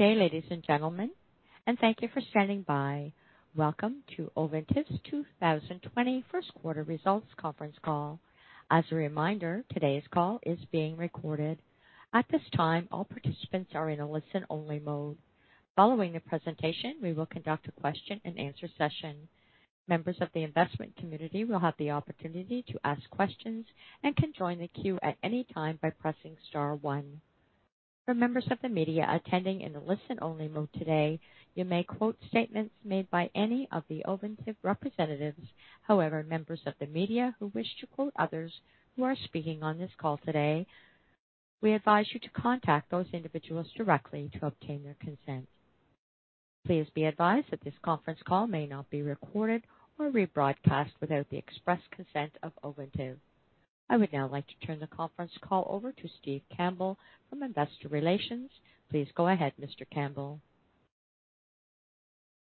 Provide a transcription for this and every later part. Good day, ladies and gentlemen, and thank you for standing by. Welcome to Ovintiv's 2020 First Quarter Results Conference Call. As a reminder, today's call is being recorded. At this time, all participants are in a listen-only mode. Following the presentation, we will conduct a question-and-answer session. Members of the investment community will have the opportunity to ask questions and can join the queue at any time by pressing star one. For members of the media attending in a listen-only mode today, you may quote statements made by any of the Ovintiv representatives. However, members of the media who wish to quote others who are speaking on this call today, we advise you to contact those individuals directly to obtain their consent. Please be advised that this conference call may not be recorded or rebroadcast without the express consent of Ovintiv. I would now like to turn the conference call over to Steve Campbell from Investor Relations. Please go ahead, Mr. Campbell.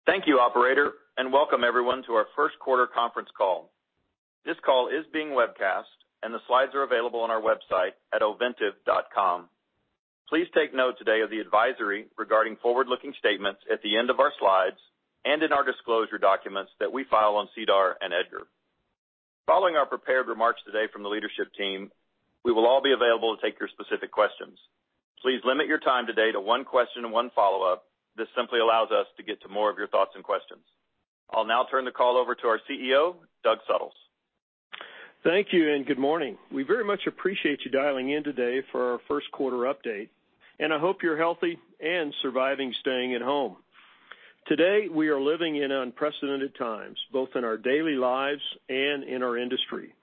Thank you, operator, and welcome everyone to our first quarter conference call. This call is being webcast, and the slides are available on our website at ovintiv.com. Please take note today of the advisory regarding forward-looking statements at the end of our slides and in our disclosure documents that we file on SEDAR and EDGAR. Following our prepared remarks today from the leadership team, we will all be available to take your specific questions. Please limit your time today to one question and one follow-up. This simply allows us to get to more of your thoughts and questions. I'll now turn the call over to our CEO, Doug Suttles. Thank you. Good morning. We very much appreciate you dialing in today for our first-quarter update, and I hope you're healthy and surviving staying at home. Today, we are living in unprecedented times, both in our daily lives and in our industry.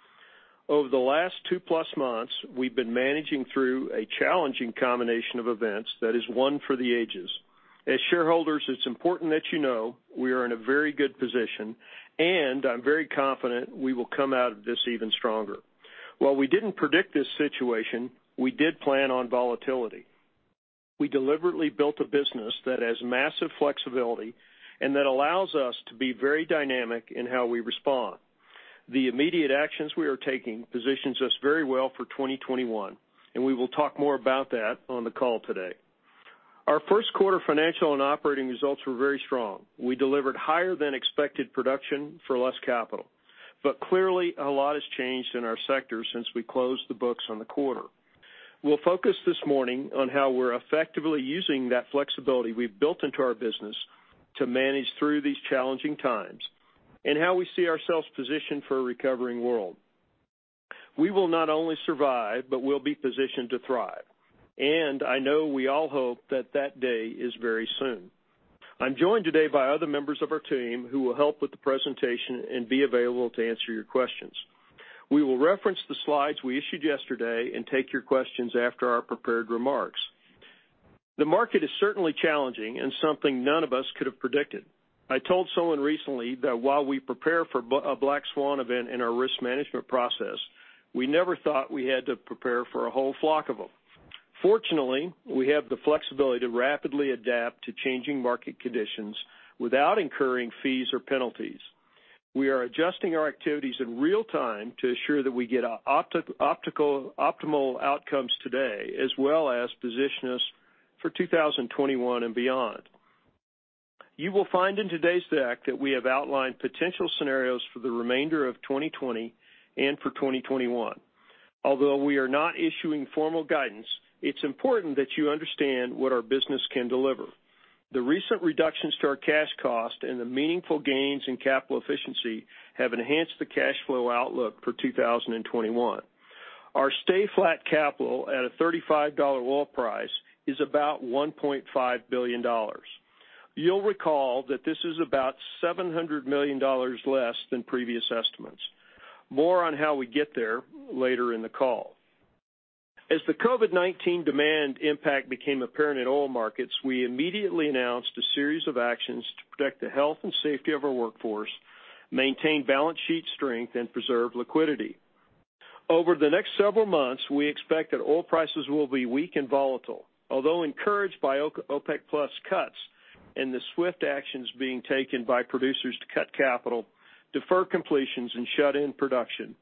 Over the last 2+ months, we've been managing through a challenging combination of events that is one for the ages. As shareholders, it's important that you know we are in a very good position, and I'm very confident we will come out of this even stronger. While we didn't predict this situation, we did plan on volatility. We deliberately built a business that has massive flexibility and that allows us to be very dynamic in how we respond. The immediate actions we are taking positions us very well for 2021, and we will talk more about that on the call today. Our first quarter financial and operating results were very strong. We delivered higher than expected production for less capital. Clearly, a lot has changed in our sector since we closed the books on the quarter. We'll focus this morning on how we're effectively using that flexibility we've built into our business to manage through these challenging times, and how we see ourselves positioned for a recovering world. We will not only survive, but we'll be positioned to thrive. I know we all hope that that day is very soon. I'm joined today by other members of our team who will help with the presentation and be available to answer your questions. We will reference the slides we issued yesterday and take your questions after our prepared remarks. The market is certainly challenging and something none of us could have predicted. I told someone recently that while we prepare for a black swan event in our risk management process, we never thought we had to prepare for a whole flock of them. Fortunately, we have the flexibility to rapidly adapt to changing market conditions without incurring fees or penalties. We are adjusting our activities in real time to ensure that we get optimal outcomes today, as well as position us for 2021 and beyond. You will find in today's deck that we have outlined potential scenarios for the remainder of 2020 and for 2021. Although we are not issuing formal guidance, it's important that you understand what our business can deliver. The recent reductions to our cash cost and the meaningful gains in capital efficiency have enhanced the cash flow outlook for 2021. Our stay-flat capital at a $35 oil price is about $1.5 billion. You'll recall that this is about $700 million less than previous estimates. More on how we get there later in the call. As the COVID-19 demand impact became apparent in oil markets, we immediately announced a series of actions to protect the health and safety of our workforce, maintain balance sheet strength, and preserve liquidity. Over the next several months, we expect that oil prices will be weak and volatile. Although encouraged by OPEC+ cuts and the swift actions being taken by producers to cut capital, defer completions, and shut in production,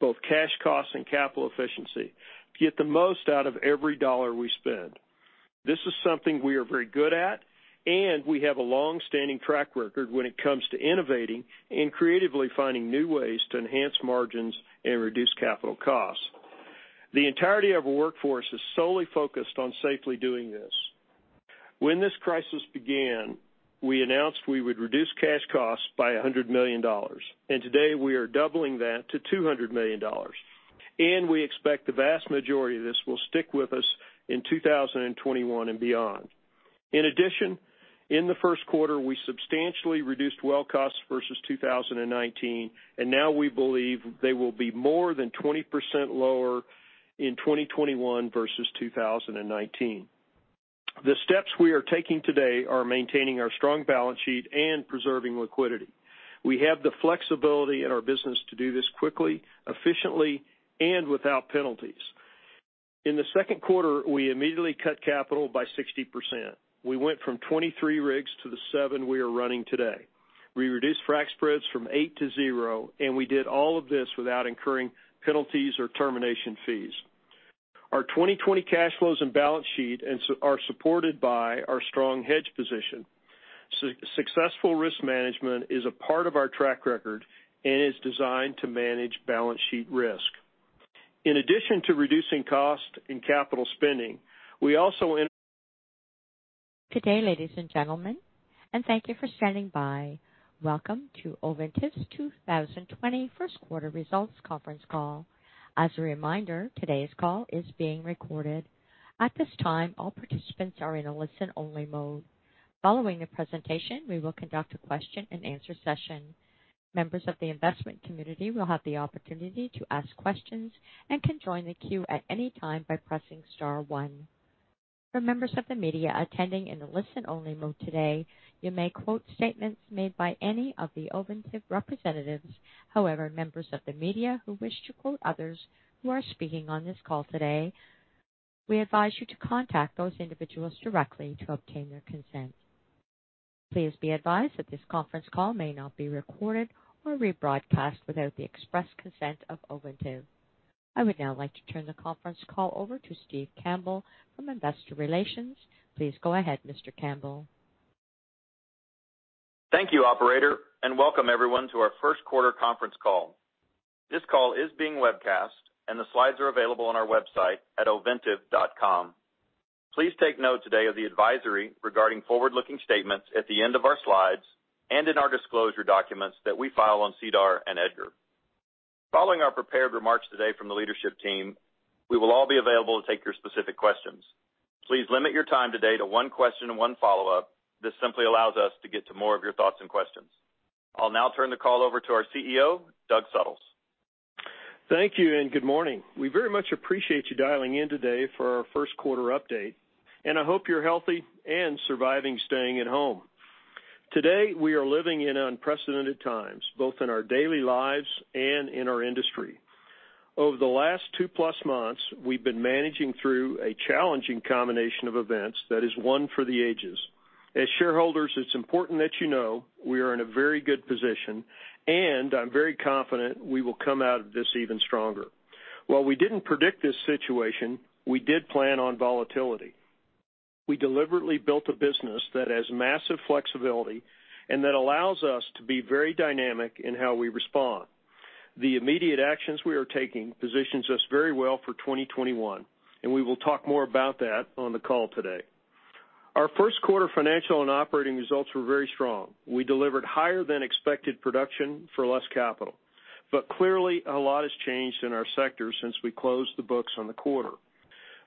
both cash costs and capital efficiency, to get the most out of every dollar we spend. This is something we are very good at, and we have a long-standing track record when it comes to innovating and creatively finding new ways to enhance margins and reduce capital costs. The entirety of our workforce is solely focused on safely doing this. When this crisis began, we announced we would reduce cash costs by $100 million, and today we are doubling that to $200 million, and we expect the vast majority of this will stick with us in 2021 and beyond. In addition, in the first quarter, we substantially reduced well costs versus 2019, and now we believe they will be more than 20% lower in 2021 versus 2019. The steps we are taking today are maintaining our strong balance sheet and preserving liquidity. We have the flexibility in our business to do this quickly, efficiently, and without penalties. In the second quarter, we immediately cut capital by 60%. We went from 23 rigs to the seven we are running today. We reduced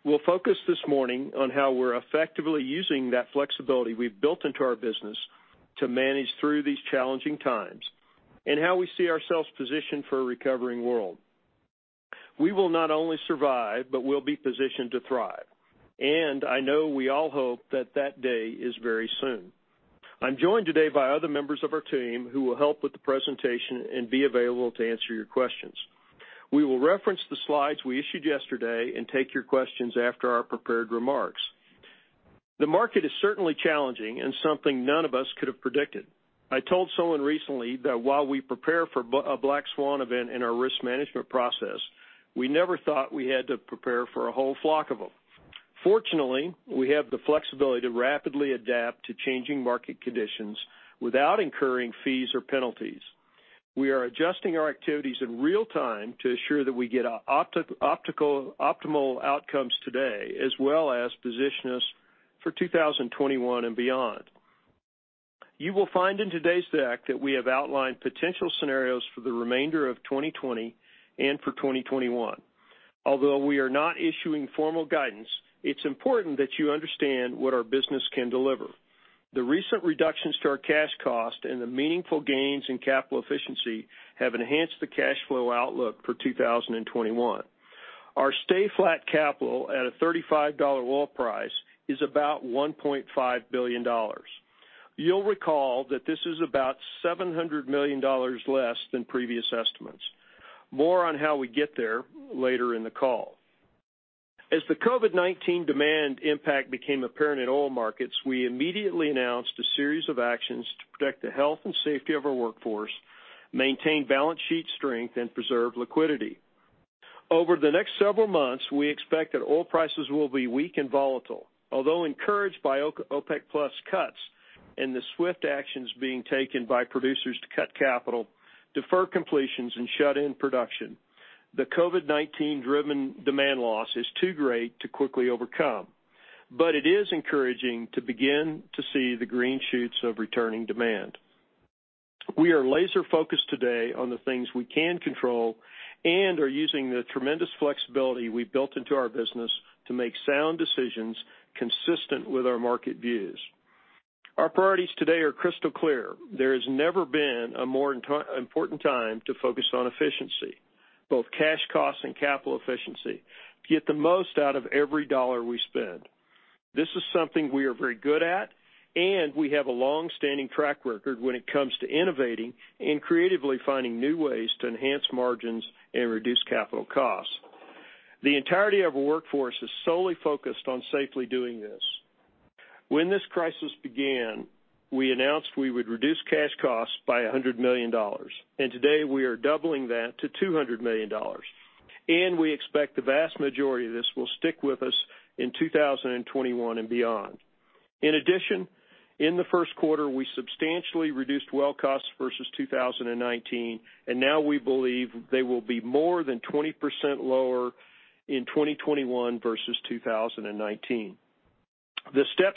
frac spreads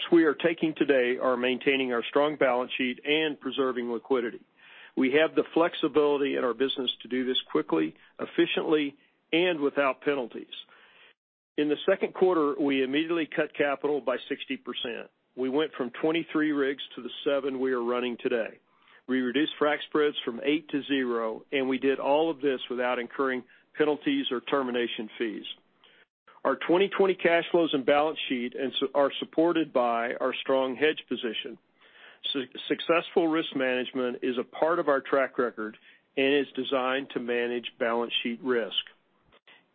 from eight to zero, and we did all of this without incurring penalties or termination fees. Our 2020 cash flows and balance sheet are supported by our strong hedge position. Successful risk management is a part of our track record and is designed to manage balance sheet risk.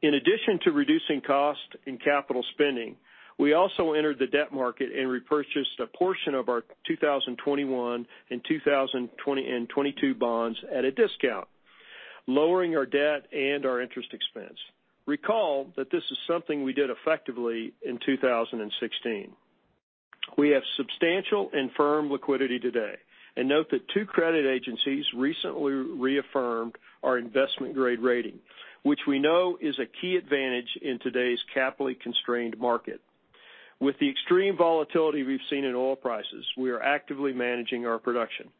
In addition to reducing cost and capital spending, we also entered the debt market and repurchased a portion of our 2021 and 2022 bonds at a discount, lowering our debt and our interest expense. Recall that this is something we did effectively in 2016. We have substantial and firm liquidity today. Note that two credit agencies recently reaffirmed our investment-grade rating, which we know is a key advantage in today's capitally constrained market. With the extreme volatility we've seen in oil prices, we are actively managing our production.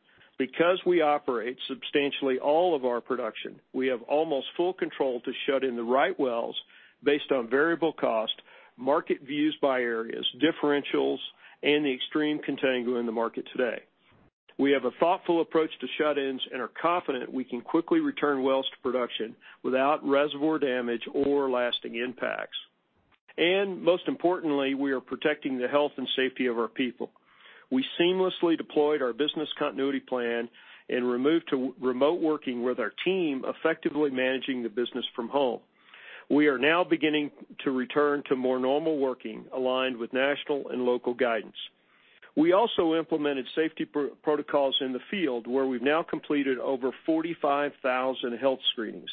Because we operate substantially all of our production, we have almost full control to shut in the right wells based on variable cost, market views by areas, differentials, and the extreme contango in the market today. We have a thoughtful approach to shut-ins and are confident we can quickly return wells to production without reservoir damage or lasting impacts. Most importantly, we are protecting the health and safety of our people. We seamlessly deployed our business continuity plan and removed to remote working with our team, effectively managing the business from home. We are now beginning to return to more normal working aligned with national and local guidance. We also implemented safety protocols in the field, where we've now completed over 45,000 health screenings.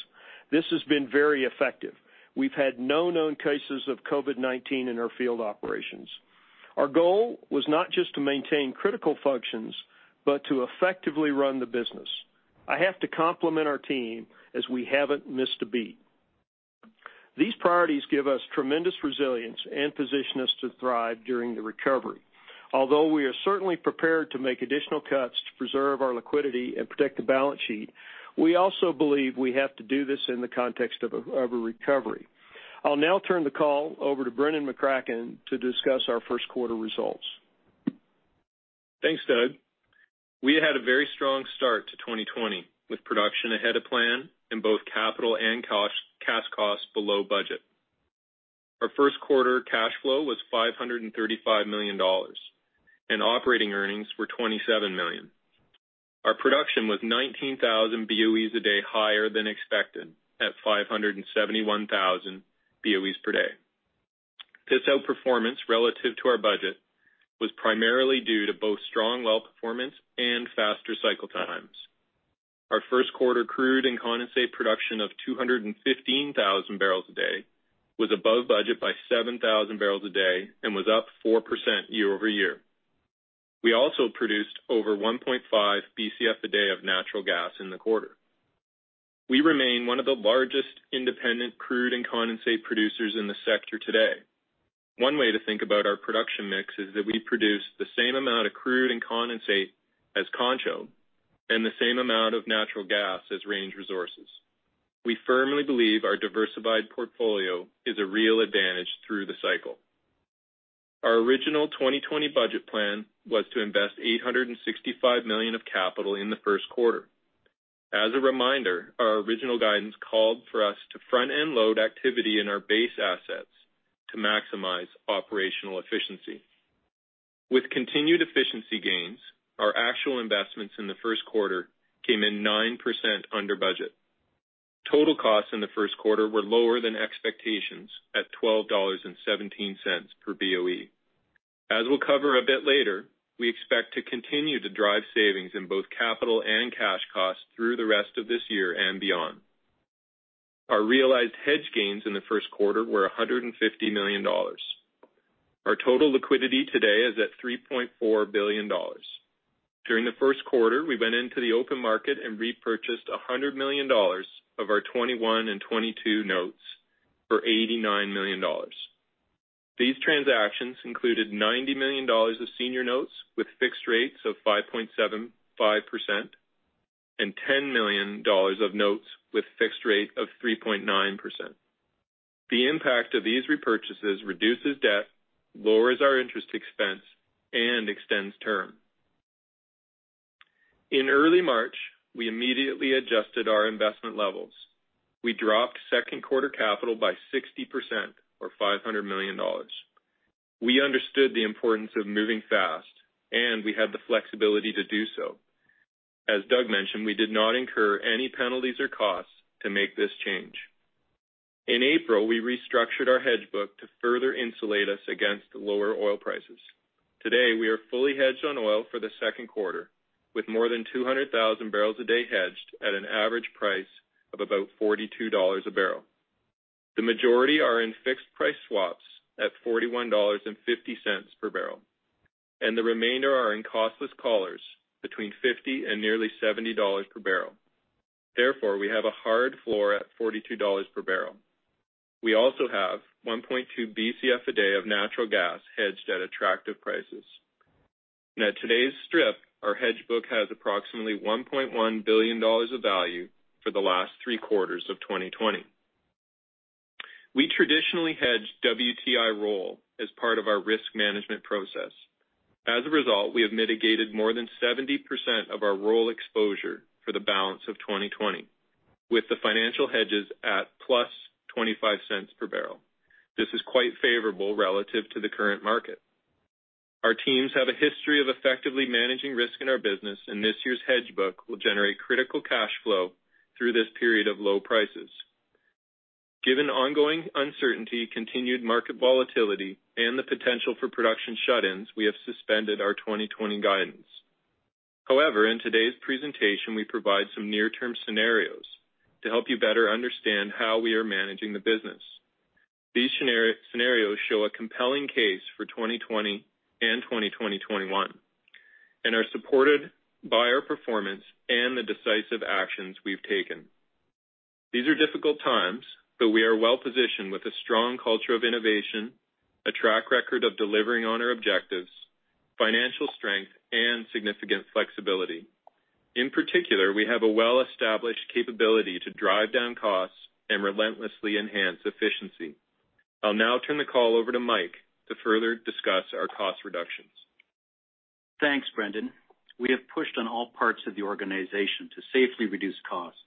This has been very effective. We've had no known cases of COVID-19 in our field operations. Our goal was not just to maintain critical functions, but to effectively run the business. I have to compliment our team, as we haven't missed a beat. These priorities give us tremendous resilience and position us to thrive during the recovery. We are certainly prepared to make additional cuts to preserve our liquidity and protect the balance sheet, we also believe we have to do this in the context of a recovery. I'll now turn the call over to Brendan McCracken to discuss our first quarter results. Thanks, Doug. We had a very strong start to 2020, with production ahead of plan and both capital and cash costs below budget. Our first quarter cash flow was $535 million. Operating earnings were $27 million. Our production was 19,000 BOEs a day higher than expected, at 571,000 BOEs per day. This outperformance relative to our budget was primarily due to both strong well performance and faster cycle times. Our first quarter crude and condensate production of 215,000 bbl a day was above budget by 7,000 barrels a day and was up 4% year-over-year. We also produced over 1.5 Bcf a day of natural gas in the quarter. We remain one of the largest independent crude and condensate producers in the sector today. One way to think about our production mix is that we produce the same amount of crude and condensate as Concho and the same amount of natural gas as Range Resources. We firmly believe our diversified portfolio is a real advantage through the cycle. Our original 2020 budget plan was to invest $865 million of capital in the first quarter. As a reminder, our original guidance called for us to front-end load activity in our base assets to maximize operational efficiency. With continued efficiency gains, our actual investments in the first quarter came in 9% under budget. Total costs in the first quarter were lower than expectations at $12.17 per BOE. As we'll cover a bit later, we expect to continue to drive savings in both capital and cash costs through the rest of this year and beyond. Our realized hedge gains in the first quarter were $150 million. Our total liquidity today is at $3.4 billion. During the first quarter, we went into the open market and repurchased $100 million of our 2021 and 2022 notes for $89 million. These transactions included $90 million of senior notes with fixed rates of 5.75% and $10 million of notes with fixed rate of 3.9%. The impact of these repurchases reduces debt, lowers our interest expense, and extends term. In early March, we immediately adjusted our investment levels. We dropped second quarter capital by 60% or $500 million. We understood the importance of moving fast, and we had the flexibility to do so. As Doug mentioned, we did not incur any penalties or costs to make this change. In April, we restructured our hedge book to further insulate us against lower oil prices. Today, we are fully hedged on oil for the second quarter, with more than 200,000 barrels a day hedged at an average price of about $42 a bbl. The majority are in fixed price swaps at $41.50 per bbl, and the remainder are in costless collars between $50 and nearly $70 per barrel. Therefore, we have a hard floor at $42 per bbl. We also have 1.2 Bcf a day of natural gas hedged at attractive prices. Now, today's strip, our hedge book, has approximately $1.1 billion of value for the last three quarters of 2020. We traditionally hedge WTI roll as part of our risk management process. As a result, we have mitigated more than 70% of our roll exposure for the balance of 2020, with the financial hedges at +$0.25 per bbl. This is quite favorable relative to the current market. Our teams have a history of effectively managing risk in our business, and this year's hedge book will generate critical cash flow through this period of low prices. Given ongoing uncertainty, continued market volatility, and the potential for production shut-ins, we have suspended our 2020 guidance. However, in today's presentation, we provide some near-term scenarios to help you better understand how we are managing the business. These scenarios show a compelling case for 2020 and 2021 and are supported by our performance and the decisive actions we've taken. These are difficult times, but we are well-positioned with a strong culture of innovation, a track record of delivering on our objectives, financial strength, and significant flexibility. In particular, we have a well-established capability to drive down costs and relentlessly enhance efficiency. I'll now turn the call over to Mike to further discuss our cost reductions. Thanks, Brendan. We have pushed on all parts of the organization to safely reduce costs.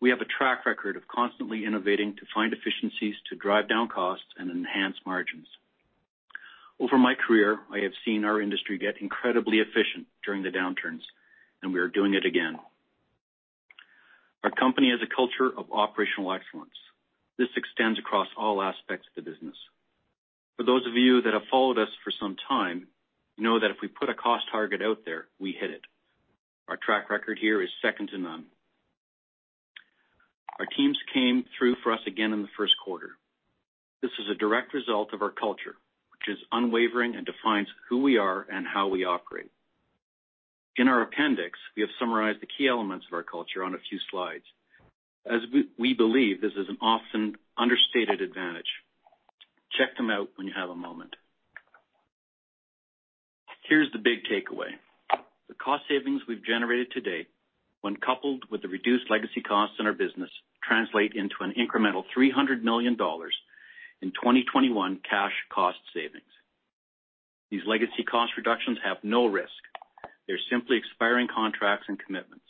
We have a track record of constantly innovating to find efficiencies to drive down costs and enhance margins. Over my career, I have seen our industry get incredibly efficient during the downturns, and we are doing it again. Our company has a culture of operational excellence. This extends across all aspects of the business. For those of you that have followed us for some time know that if we put a cost target out there, we hit it. Our track record here is second to none. Our teams came through for us again in the first quarter. This is a direct result of our culture, which is unwavering and defines who we are and how we operate. In our appendix, we have summarized the key elements of our culture on a few slides, as we believe this is an often understated advantage. Check them out when you have a moment. Here's the big takeaway. The cost savings we've generated to date, when coupled with the reduced legacy costs in our business, translate into an incremental $300 million in 2021 cash cost savings. These legacy cost reductions have no risk. They're simply expiring contracts and commitments.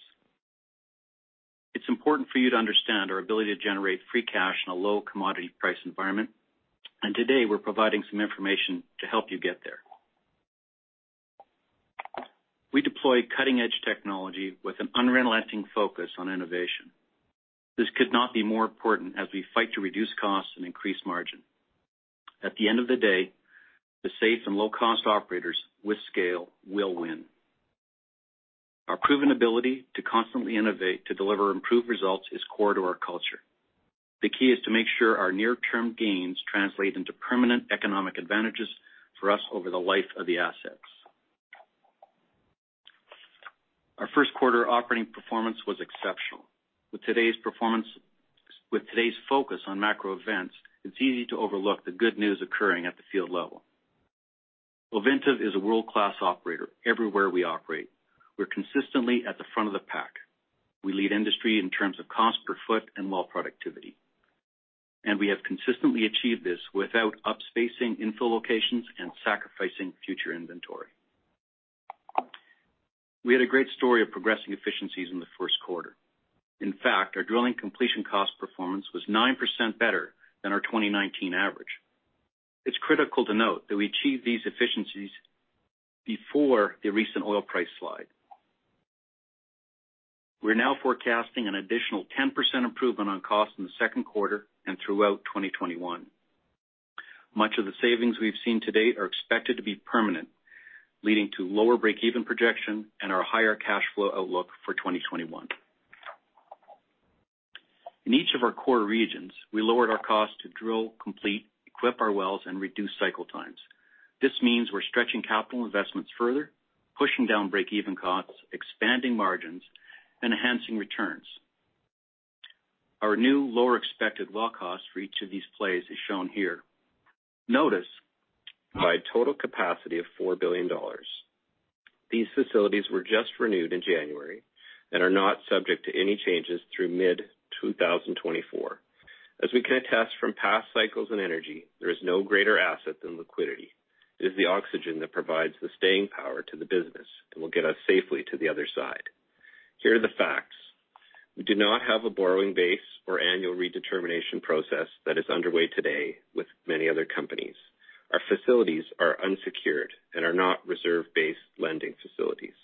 It's important for you to understand our ability to generate free cash in a low commodity price environment, and today, we're providing some information to help you get there. We deploy cutting-edge technology with an unrelenting focus on innovation. This could not be more important as we fight to reduce costs and increase margin. At the end of the day, the safe and low-cost operators with scale will win. Our proven ability to constantly innovate to deliver improved results is core to our culture. The key is to make sure our near-term gains translate into permanent economic advantages for us over the life of the assets. Our first quarter operating performance was exceptional. With today's focus on macro events, it's easy to overlook the good news occurring at the field level. Ovintiv is a world-class operator everywhere we operate. We're consistently at the front of the pack. We lead industry in terms of cost per foot and well productivity, and we have consistently achieved this without up-spacing infill locations and sacrificing future inventory. We had a great story of progressing efficiencies in the first quarter. In fact, our drilling completion cost performance was 9% better than our 2019 average. It's critical to note that we achieved these efficiencies before the recent oil price slide. We're now forecasting an additional 10% improvement on cost in the second quarter and throughout 2021. Much of the savings we've seen to date are expected to be permanent, leading to lower break-even projection and our higher cash flow outlook for 2021. In each of our core regions, we lowered our cost to drill, complete, equip our wells, and reduce cycle times. This means we're stretching capital investments further, pushing down break-even costs, expanding margins, and enhancing returns. Our new lower expected well cost for each of these plays is shown here. Notice by total capacity of $4 billion. These facilities were just renewed in January and are not subject to any changes through mid-2024. As we can attest from past cycles in energy, there is no greater asset than liquidity. It is the oxygen that provides the staying power to the business and will get us safely to the other side. Here are the facts. We do not have a borrowing base or annual redetermination process that is underway today with many other companies. Our facilities are unsecured and are not reserve-based lending facilities.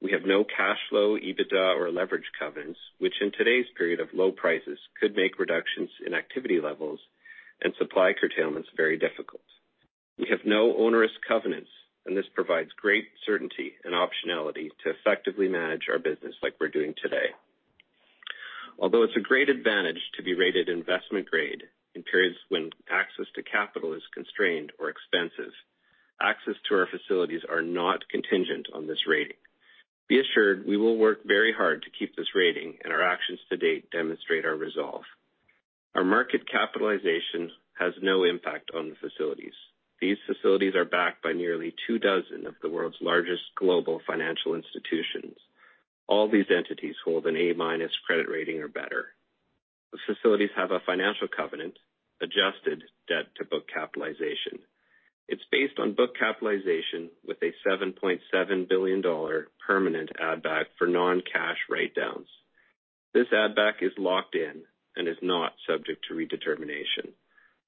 We have no cash flow, EBITDA, or leverage covenants, which in today's period of low prices could make reductions in activity levels and supply curtailments very difficult. We have no onerous covenants, and this provides great certainty and optionality to effectively manage our business like we're doing today. Although it's a great advantage to be rated investment-grade in periods when access to capital is constrained or expensive, access to our facilities are not contingent on this rating. Be assured, we will work very hard to keep this rating, and our actions to date demonstrate our resolve. Our market capitalization has no impact on the facilities. These facilities are backed by nearly two dozen of the world's largest global financial institutions. All these entities hold an A-minus credit rating or better. The facilities have a financial covenant adjusted debt-to-book capitalization. It's based on book capitalization with a $7.7 billion permanent add-back for non-cash write-downs. This add-back is locked in and is not subject to redetermination.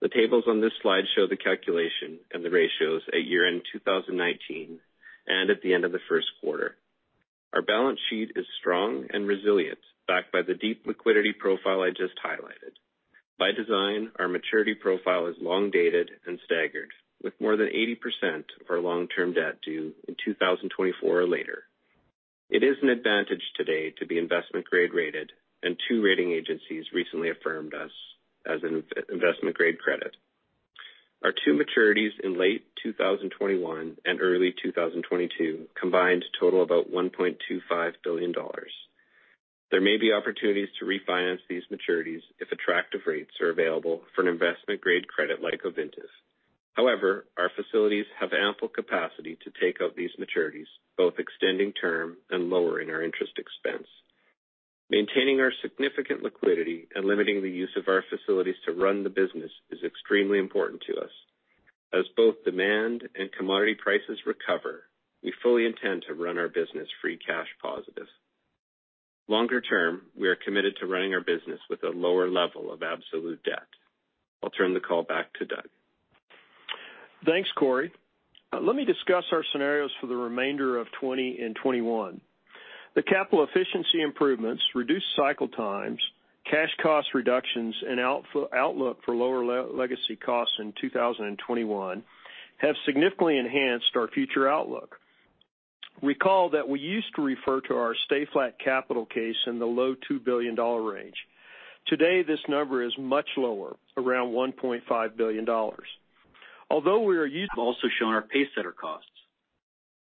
The tables on this slide show the calculation and the ratios at year-end 2019 and at the end of the first quarter. Our balance sheet is strong and resilient, backed by the deep liquidity profile I just highlighted. By design, our maturity profile is long-dated and staggered, with more than 80% of our long-term debt due in 2024 or later. It is an advantage today to be investment-grade rated, and two rating agencies recently affirmed us as an investment-grade credit. Our two maturities in late 2021 and early 2022 combined total about $1.25 billion. There may be opportunities to refinance these maturities if attractive rates are available for an investment-grade credit like Ovintiv. Our facilities have ample capacity to take up these maturities, both extending term and lowering our interest expense. Maintaining our significant liquidity and limiting the use of our facilities to run the business is extremely important to us. As both demand and commodity prices recover, we fully intend to run our business free cash positive. Longer term, we are committed to running our business with a lower level of absolute debt. I'll turn the call back to Doug. Thanks, Corey. Let me discuss our scenarios for the remainder of 2020 and 2021. The capital efficiency improvements, reduced cycle times, cash cost reductions, and outlook for lower legacy costs in 2021 have significantly enhanced our future outlook. Recall that we used to refer to our stay-flat capital case in the low $2 billion range. Today, this number is much lower, around $1.5 billion. Although we are. I've also shown our pacesetter costs.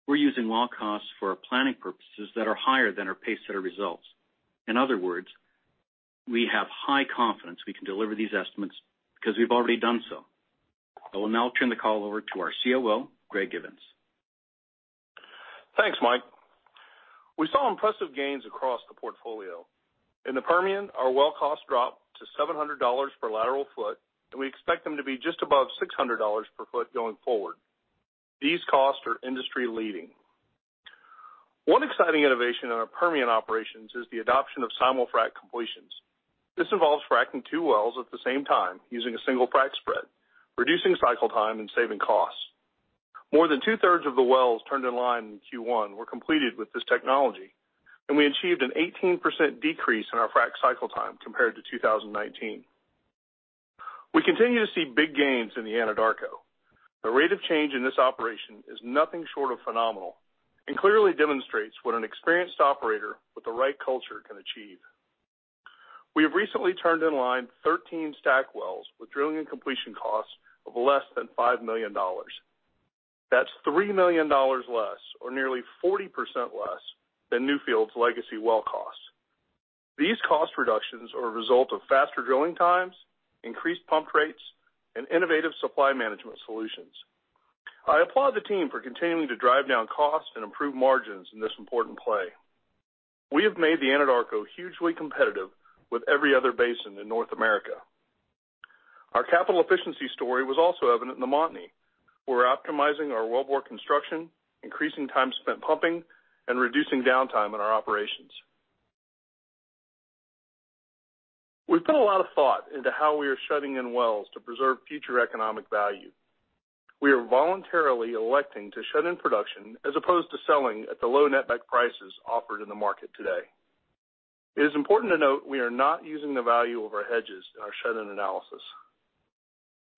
We're using well costs for our planning purposes that are higher than our pacesetter results. In other words, we have high confidence we can deliver these estimates because we've already done so. I will now turn the call over to our COO, Greg Givens. Thanks, Mike. We saw impressive gains across the portfolio. In the Permian, our well cost dropped to $700 per lateral foot, and we expect them to be just above $600 per foot going forward. These costs are industry leading. One exciting innovation in our Permian operations is the adoption of simul-frac completions. This involves fracking two wells at the same time using a single frac spread, reducing cycle time and saving costs. More than 2/3 of the wells turned in line in Q1 were completed with this technology, and we achieved an 18% decrease in our frac cycle time compared to 2019. We continue to see big gains in the Anadarko. The rate of change in this operation is nothing short of phenomenal and clearly demonstrates what an experienced operator with the right culture can achieve. We have recently turned in line 13 STACK wells with drilling and completion costs of less than $5 million. That's $3 million less, or nearly 40% less, than Newfield's legacy well costs. These cost reductions are a result of faster drilling times, increased pump rates, and innovative supply management solutions. I applaud the team for continuing to drive down costs and improve margins in this important play. We have made the Anadarko hugely competitive with every other basin in North America. Our capital efficiency story was also evident in the Montney. We're optimizing our wellbore construction, increasing time spent pumping, and reducing downtime in our operations. We put a lot of thought into how we are shutting in wells to preserve future economic value. We are voluntarily electing to shut in production as opposed to selling at the low netback prices offered in the market today. It is important to note we are not using the value of our hedges in our shut-in analysis.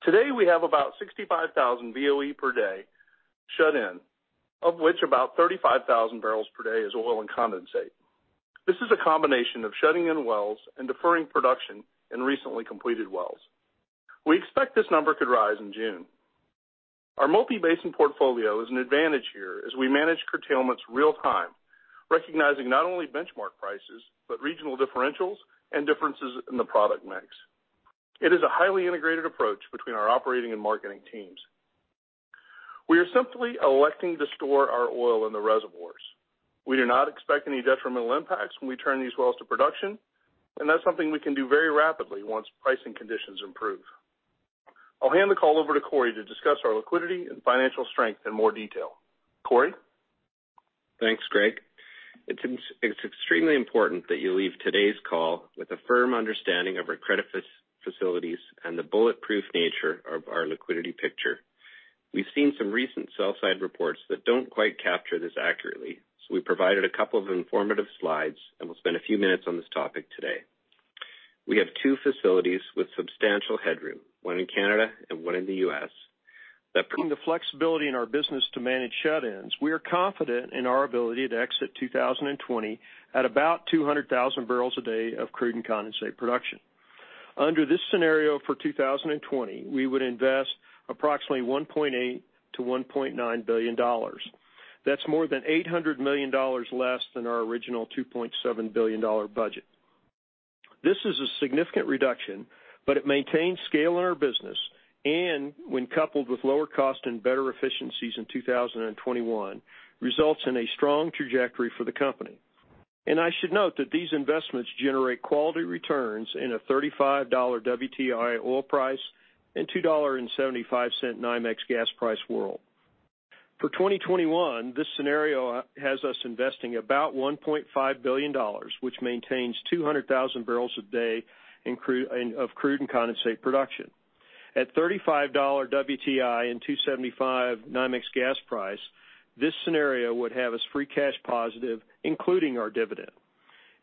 Today, we have about 65,000 BOE per day shut in, of which about 35,000 bbl per day is oil and condensate. This is a combination of shutting in wells and deferring production in recently completed wells. We expect this number could rise in June. Our multi-basin portfolio is an advantage here as we manage curtailments real time, recognizing not only benchmark prices, but regional differentials and differences in the product mix. It is a highly integrated approach between our operating and marketing teams. We are simply electing to store our oil in the reservoirs. We do not expect any detrimental impacts when we turn these wells to production, and that's something we can do very rapidly once pricing conditions improve. I'll hand the call over to Corey to discuss our liquidity and financial strength in more detail. Corey? Thanks, Greg. It's extremely important that you leave today's call with a firm understanding of our credit facilities and the bulletproof nature of our liquidity picture. We've seen some recent sell side reports that don't quite capture this accurately. We provided a couple of informative slides and we'll spend a few minutes on this topic today. We have two facilities with substantial headroom, one in Canada and one in the U.S. Bring the flexibility in our business to manage shut-ins, we are confident in our ability to exit 2020 at about 200,000 bbl a day of crude and condensate production. Under this scenario for 2020, we would invest approximately $1.8 billion-$1.9 billion. That's more than $800 million less than our original $2.7 billion budget. This is a significant reduction. It maintains scale in our business, and when coupled with lower cost and better efficiencies in 2021, results in a strong trajectory for the company. I should note that these investments generate quality returns in a $35 WTI oil price and $2.75 NYMEX gas price world. For 2021, this scenario has us investing about $1.5 billion, which maintains 200,000 bbl a day of crude and condensate production. At $35 WTI and $2.75 NYMEX gas price, this scenario would have us free cash positive, including our dividend.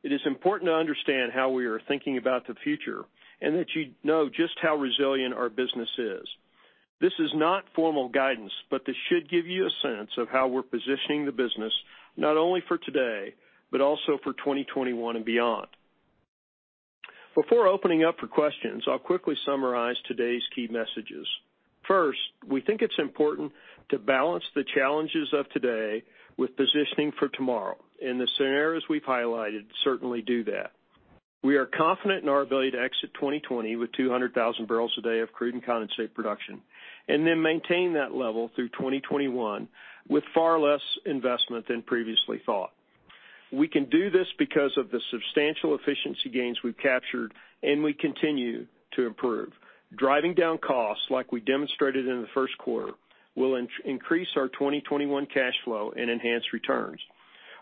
It is important to understand how we are thinking about the future, and that you know just how resilient our business is. This is not formal guidance, but this should give you a sense of how we're positioning the business, not only for today, but also for 2021 and beyond. Before opening up for questions, I'll quickly summarize today's key messages. First, we think it's important to balance the challenges of today with positioning for tomorrow, and the scenarios we've highlighted certainly do that. We are confident in our ability to exit 2020 with 200,000 bbl a day of crude and condensate production, and then maintain that level through 2021 with far less investment than previously thought. We can do this because of the substantial efficiency gains we've captured and we continue to improve. Driving down costs, like we demonstrated in the first quarter, will increase our 2021 cash flow and enhance returns.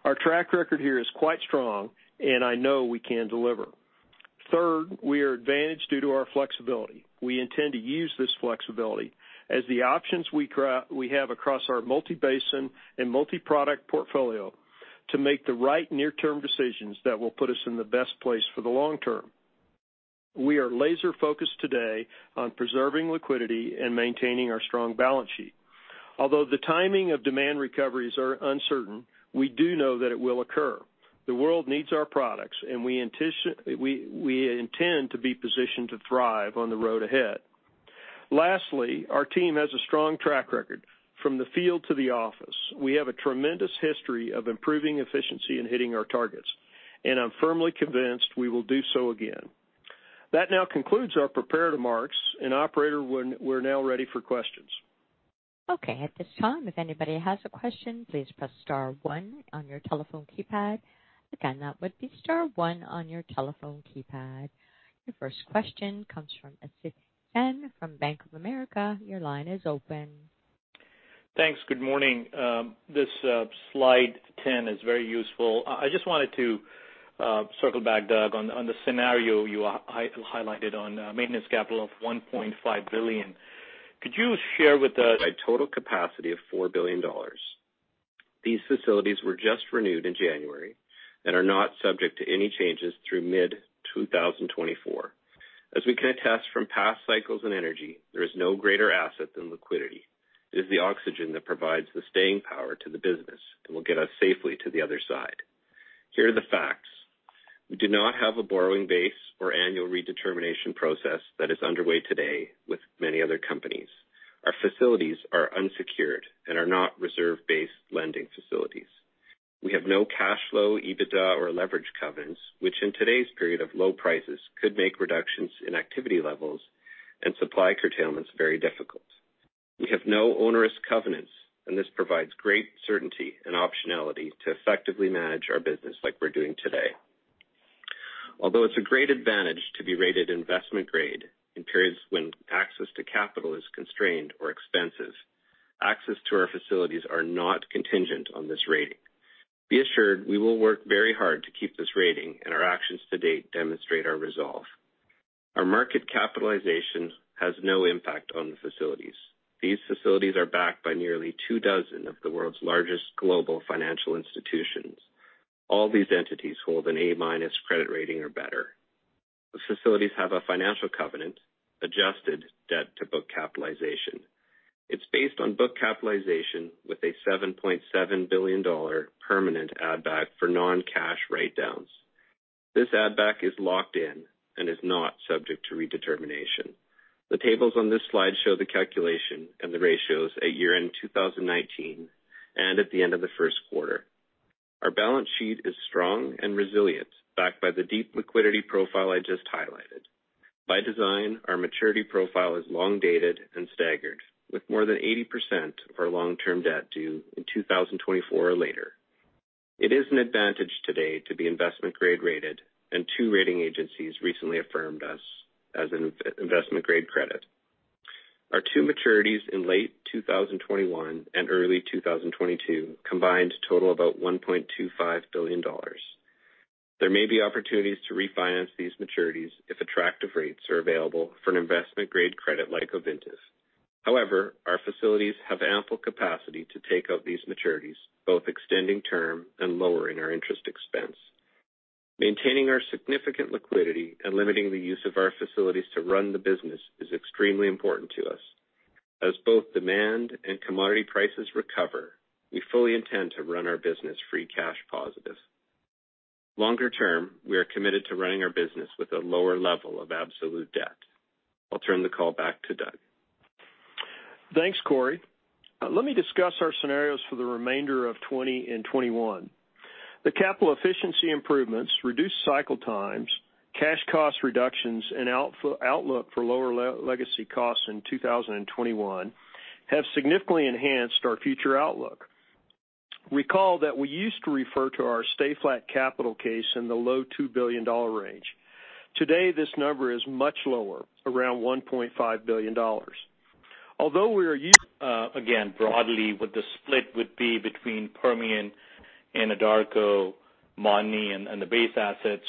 Our track record here is quite strong. I know we can deliver. Third, we are advantaged due to our flexibility. We intend to use this flexibility as the options we have across our multi-basin and multi-product portfolio to make the right near-term decisions that will put us in the best place for the long term. We are laser focused today on preserving liquidity and maintaining our strong balance sheet. Although the timing of demand recoveries are uncertain, we do know that it will occur. The world needs our products. We intend to be positioned to thrive on the road ahead. Lastly, our team has a strong track record from the field to the office. We have a tremendous history of improving efficiency and hitting our targets, and I'm firmly convinced we will do so again. That now concludes our prepared remarks. Operator, we're now ready for questions. Okay. At this time, if anybody has a question, please press star one on your telephone keypad. Again, that would be star one on your telephone keypad. Your first question comes from Asit Sen from Bank of America. Your line is open. Thanks. Good morning. This slide 10 is very useful. I just wanted to circle back, Doug, on the scenario you highlighted on maintenance capital of $1.5 billion. Could you share with us- By total capacity of $4 billion. These facilities were just renewed in January and are not subject to any changes through mid-2024. As we can attest from past cycles in energy, there is no greater asset than liquidity. It is the oxygen that provides the staying power to the business and will get us safely to the other side. Here are the facts. We do not have a borrowing base or annual redetermination process that is underway today with many other companies. Our facilities are unsecured and are not reserve-based lending facilities. We have no cash flow, EBITDA, or leverage covenants, which in today's period of low prices could make reductions in activity levels and supply curtailments very difficult. We have no onerous covenants, and this provides great certainty and optionality to effectively manage our business like we're doing today. Although it's a great advantage to be rated investment-grade in periods when access to capital is constrained or expensive, access to our facilities are not contingent on this rating. Be assured we will work very hard to keep this rating, and our actions to date demonstrate our resolve. Our market capitalization has no impact on the facilities. These facilities are backed by nearly two dozen of the world's largest global financial institutions. All these entities hold an A- credit rating or better. The facilities have a financial covenant adjusted debt to book capitalization. It's based on book capitalization with a $7.7 billion permanent add back for non-cash write-downs. This add back is locked in and is not subject to redetermination. The tables on this slide show the calculation and the ratios at year-end 2019 and at the end of the first quarter. Our balance sheet is strong and resilient, backed by the deep liquidity profile I just highlighted. By design, our maturity profile is long-dated and staggered, with more than 80% of our long-term debt due in 2024 or later. It is an advantage today to be investment-grade rated, and two rating agencies recently affirmed us as an investment-grade credit. Our two maturities in late 2021 and early 2022 combined total about $1.25 billion. There may be opportunities to refinance these maturities if attractive rates are available for an investment-grade credit like Ovintiv. However, our facilities have ample capacity to take up these maturities, both extending term and lowering our interest expense. Maintaining our significant liquidity and limiting the use of our facilities to run the business is extremely important to us. As both demand and commodity prices recover, we fully intend to run our business free cash positive. Longer term, we are committed to running our business with a lower level of absolute debt. I'll turn the call back to Doug. Thanks, Corey. Let me discuss our scenarios for the remainder of 2020 and 2021. The capital efficiency improvements, reduced cycle times, cash cost reductions, and outlook for lower legacy costs in 2021 have significantly enhanced our future outlook. Recall that we used to refer to our stay-flat capital case in the low $2 billion range. Today, this number is much lower, around $1.5 billion. Although we are Again, broadly, what the split would be between Permian and Anadarko, Montney, and the base assets.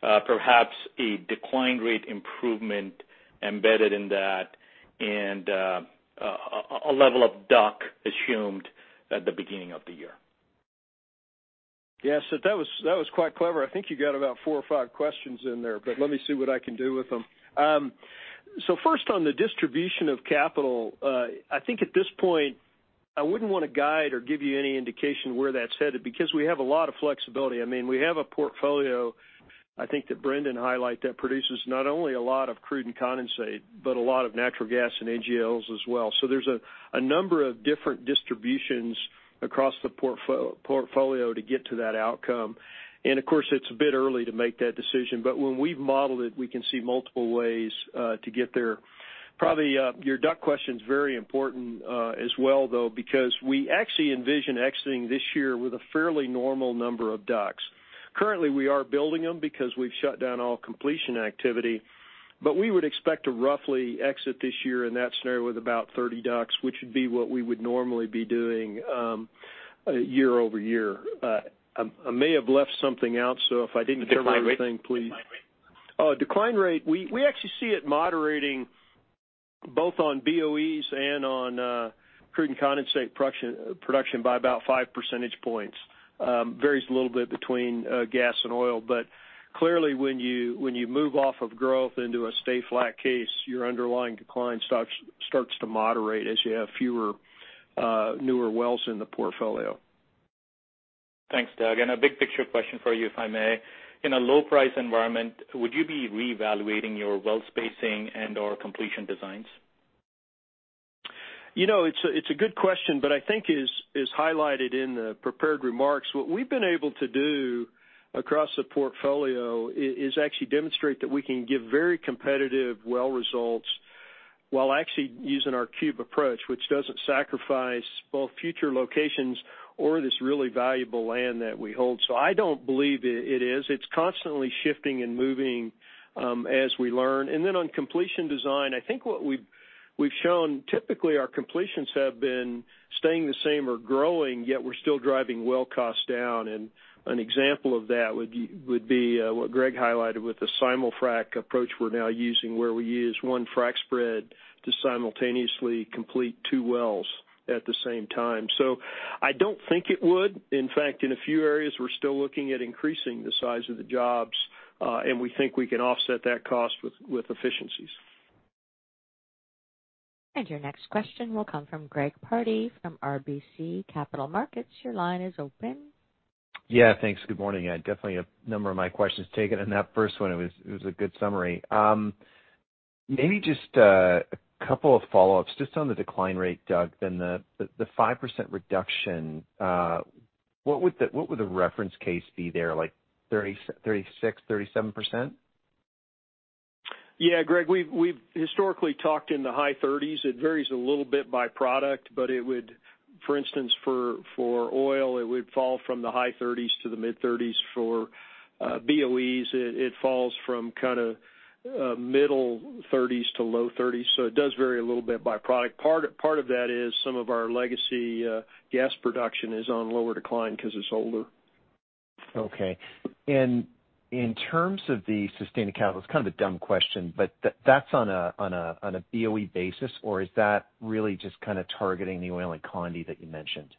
Perhaps a decline rate improvement embedded in that, and a level of DUC assumed at the beginning of the year. Yeah, Asit, that was quite clever. I think you got about four or five questions in there, but let me see what I can do with them. First on the distribution of capital. I think at this point, I wouldn't want to guide or give you any indication where that's headed because we have a lot of flexibility. We have a portfolio, I think that Brendan highlight, that produces not only a lot of crude and condensate, but a lot of natural gas and NGLs as well. There's a number of different distributions across the portfolio to get to that outcome. Of course, it's a bit early to make that decision. When we've modeled it, we can see multiple ways to get there. Probably your DUC question's very important as well, though, because we actually envision exiting this year with a fairly normal number of DUCs. Currently, we are building them because we've shut down all completion activity. We would expect to roughly exit this year in that scenario with about 30 DUCs, which would be what we would normally be doing year-over-year. I may have left something out, so if I didn't cover everything, please. Decline rate. Oh, decline rate. We actually see it moderating both on BOEs and on crude and condensate production by about five percentage points. Varies a little bit between gas and oil. Clearly, when you move off of growth into a stay-flat case, your underlying decline starts to moderate as you have fewer newer wells in the portfolio. Thanks, Doug, and a big picture question for you, if I may. In a low-price environment, would you be reevaluating your well spacing and/or completion designs? It's a good question, but I think is highlighted in the prepared remarks. What we've been able to do across the portfolio is actually demonstrate that we can give very competitive well results while actually using our cube approach, which doesn't sacrifice both future locations or this really valuable land that we hold. I don't believe it is. It's constantly shifting and moving as we learn. On completion design, I think what we've shown, typically our completions have been staying the same or growing, yet we're still driving well cost down. An example of that would be what Greg highlighted with the simul-frac approach we're now using, where we use one frac spread to simultaneously complete two wells at the same time. I don't think it would. In fact, in a few areas, we're still looking at increasing the size of the jobs, and we think we can offset that cost with efficiencies. Your next question will come from Greg Pardy from RBC Capital Markets. Your line is open. Yeah, thanks. Good morning. Definitely a number of my questions taken in that first one. It was a good summary. Maybe just a couple of follow-ups just on the decline rate, Doug, then the 5% reduction. What would the reference case be there, like 36%, 37%? Yeah, Greg, we've historically talked in the high 30s. It varies a little bit by product, but for instance, for oil, it would fall from the high 30s to the mid-30s. For BOEs, it falls from middle 30s to low 30s. It does vary a little bit by product. Part of that is some of our legacy gas production is on lower decline because it's older. Okay. In terms of the sustained capital, it's kind of a dumb question, but that's on a BOE basis, or is that really just targeting the oil and condensate that you mentioned?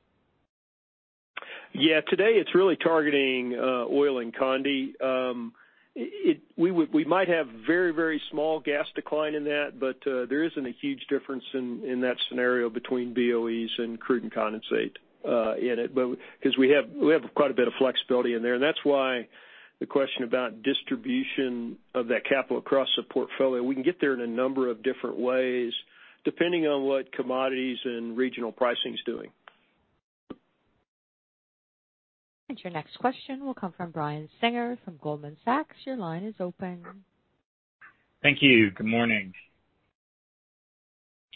Today, it's really targeting oil and condensate. We might have very small gas decline in that, but there isn't a huge difference in that scenario between BOEs and crude and condensate in it. We have quite a bit of flexibility in there, and that's why the question about distribution of that capital across the portfolio. We can get there in a number of different ways, depending on what commodities and regional pricing is doing. Your next question will come from Brian Singer from Goldman Sachs. Your line is open. Thank you. Good morning. Morning,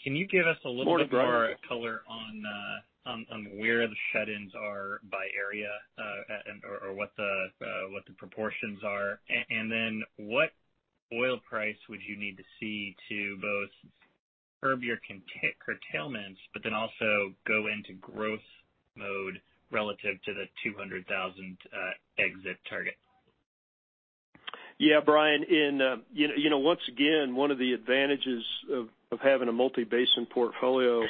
Brian. Can you give us a little bit more color on where the shut-ins are by area, or what the proportions are? What oil price would you need to see to both curb your curtailments, but then also go into growth mode relative to the 200,000 exit target? Yeah, Brian. Once again, one of the advantages of having a multi-basin portfolio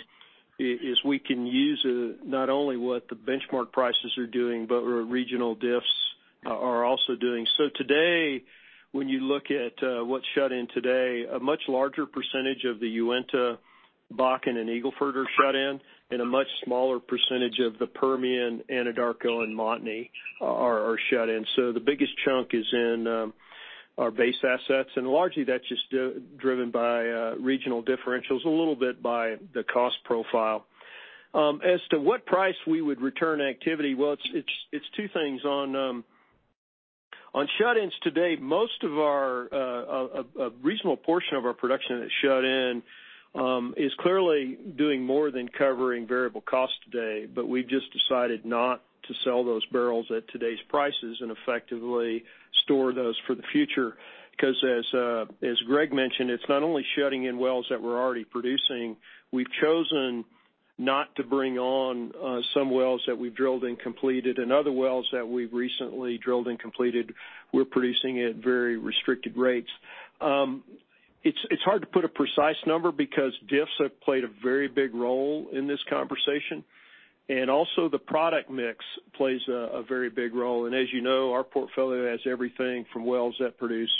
is we can use not only what the benchmark prices are doing, but what our regional diffs are also doing. Today, when you look at what's shut in today, a much larger percentage of the Uinta, Bakken, and Eagle Ford are shut in, and a much smaller percentage of the Permian, Anadarko, and Montney are shut in. The biggest chunk is in our base assets, and largely that's just driven by regional differentials, a little bit by the cost profile. As to what price we would return activity, well, it's two things. On shut-ins today, a reasonable portion of our production that's shut in is clearly doing more than covering variable costs today. We've just decided not to sell those barrels at today's prices and effectively store those for the future. As Greg mentioned, it's not only shutting in wells that we're already producing. We've chosen not to bring on some wells that we've drilled and completed, and other wells that we've recently drilled and completed, we're producing at very restricted rates. It's hard to put a precise number because diffs have played a very big role in this conversation. Also the product mix plays a very big role. As you know, our portfolio has everything from wells that produce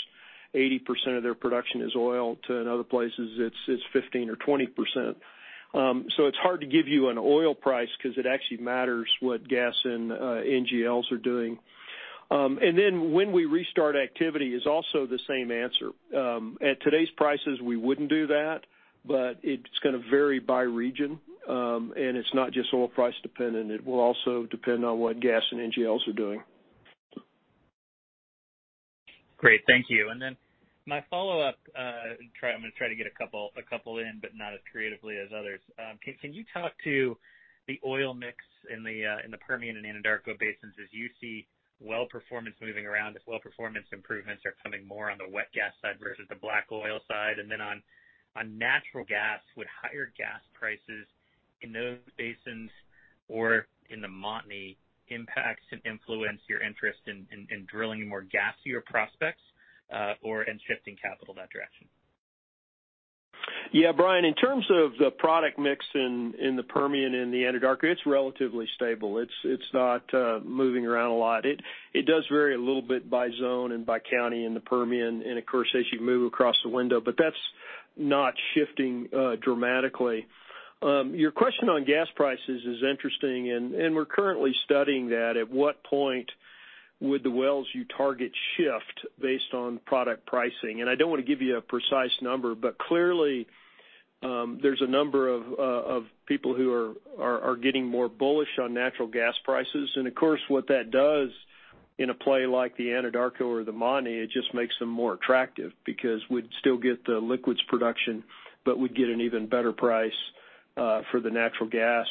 80% of their production is oil, to in other places it's 15% or 20%. It's hard to give you an oil price because it actually matters what gas and NGLs are doing. When we restart activity is also the same answer. At today's prices, we wouldn't do that, but it's going to vary by region. It's not just oil price dependent. It will also depend on what gas and NGLs are doing. Great. Thank you. Then my follow-up, I'm going to try to get a couple in, but not as creatively as others. Can you talk to the oil mix in the Permian and Anadarko Basins as you see well performance moving around, if well performance improvements are coming more on the wet gas side versus the black oil side? Then on natural gas, would higher gas prices in those basins or in the Montney impact and influence your interest in drilling more gassier prospects, or in shifting capital that direction? Yeah, Brian, in terms of the product mix in the Permian and the Anadarko, it's relatively stable. It's not moving around a lot. It does vary a little bit by zone and by county in the Permian, and of course, as you move across the window, but that's not shifting dramatically. Your question on gas prices is interesting, and we're currently studying that. At what point would the wells you target shift based on product pricing? I don't want to give you a precise number, but clearly, there's a number of people who are getting more bullish on natural gas prices. Of course, what that does in a play like the Anadarko or the Montney, it just makes them more attractive because we'd still get the liquids production, but we'd get an even better price for the natural gas.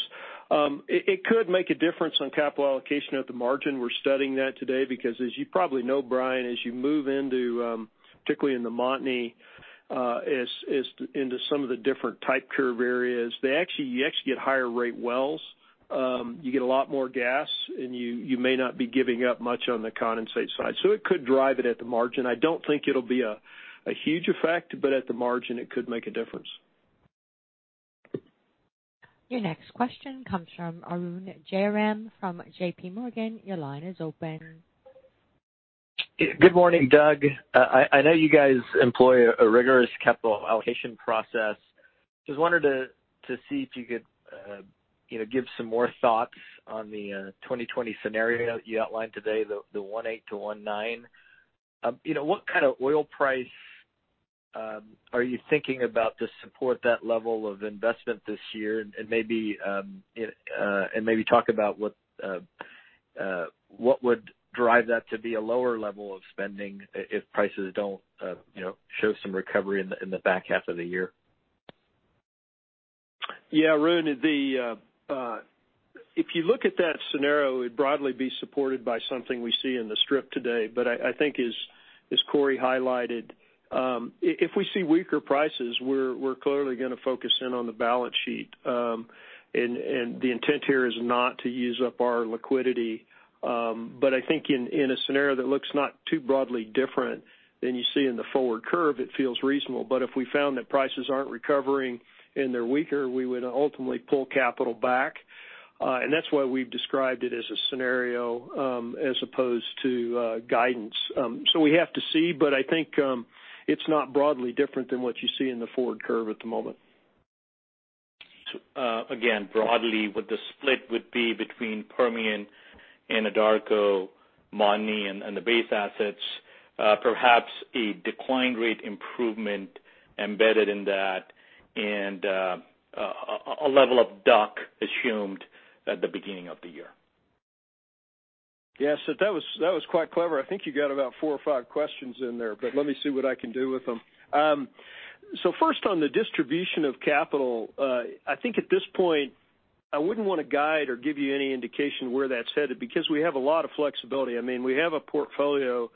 It could make a difference on capital allocation at the margin. We're studying that today because as you probably know, Brian, as you move into, particularly in the Montney, into some of the different type curve areas, you actually get higher rate wells. You get a lot more gas, and you may not be giving up much on the condensate side. It could drive it at the margin. I don't think it'll be a huge effect, but at the margin, it could make a difference. Your next question comes from Arun Jayaram from J.P. Morgan. Your line is open. Good morning, Doug. I know you guys employ a rigorous capital allocation process. Just wanted to see if you could give some more thoughts on the 2020 scenario you outlined today, the 1.8-1.9. What kind of oil price are you thinking about to support that level of investment this year? Maybe talk about what would drive that to be a lower level of spending if prices don't show some recovery in the back half of the year. Yeah, Arun, if you look at that scenario, it would broadly be supported by something we see in the strip today. I think as Corey highlighted, if we see weaker prices, we're clearly going to focus in on the balance sheet. The intent here is not to use up our liquidity. I think in a scenario that looks not too broadly different than you see in the forward curve, it feels reasonable. If we found that prices aren't recovering and they're weaker, we would ultimately pull capital back. That's why we've described it as a scenario as opposed to guidance. We have to see, but I think it's not broadly different than what you see in the forward curve at the moment. Again, broadly what the split would be between Permian and Anadarko, Montney, and the base assets. Perhaps a decline rate improvement embedded in that and a level of DUC assumed at the beginning of the year. Yes, that was quite clever. I think you got about four or five questions in there, but let me see what I can do with them. First, on the distribution of capital, I think at this point, I wouldn't want to guide or give you any indication where that's headed, because we have a lot of flexibility. We have a portfolio,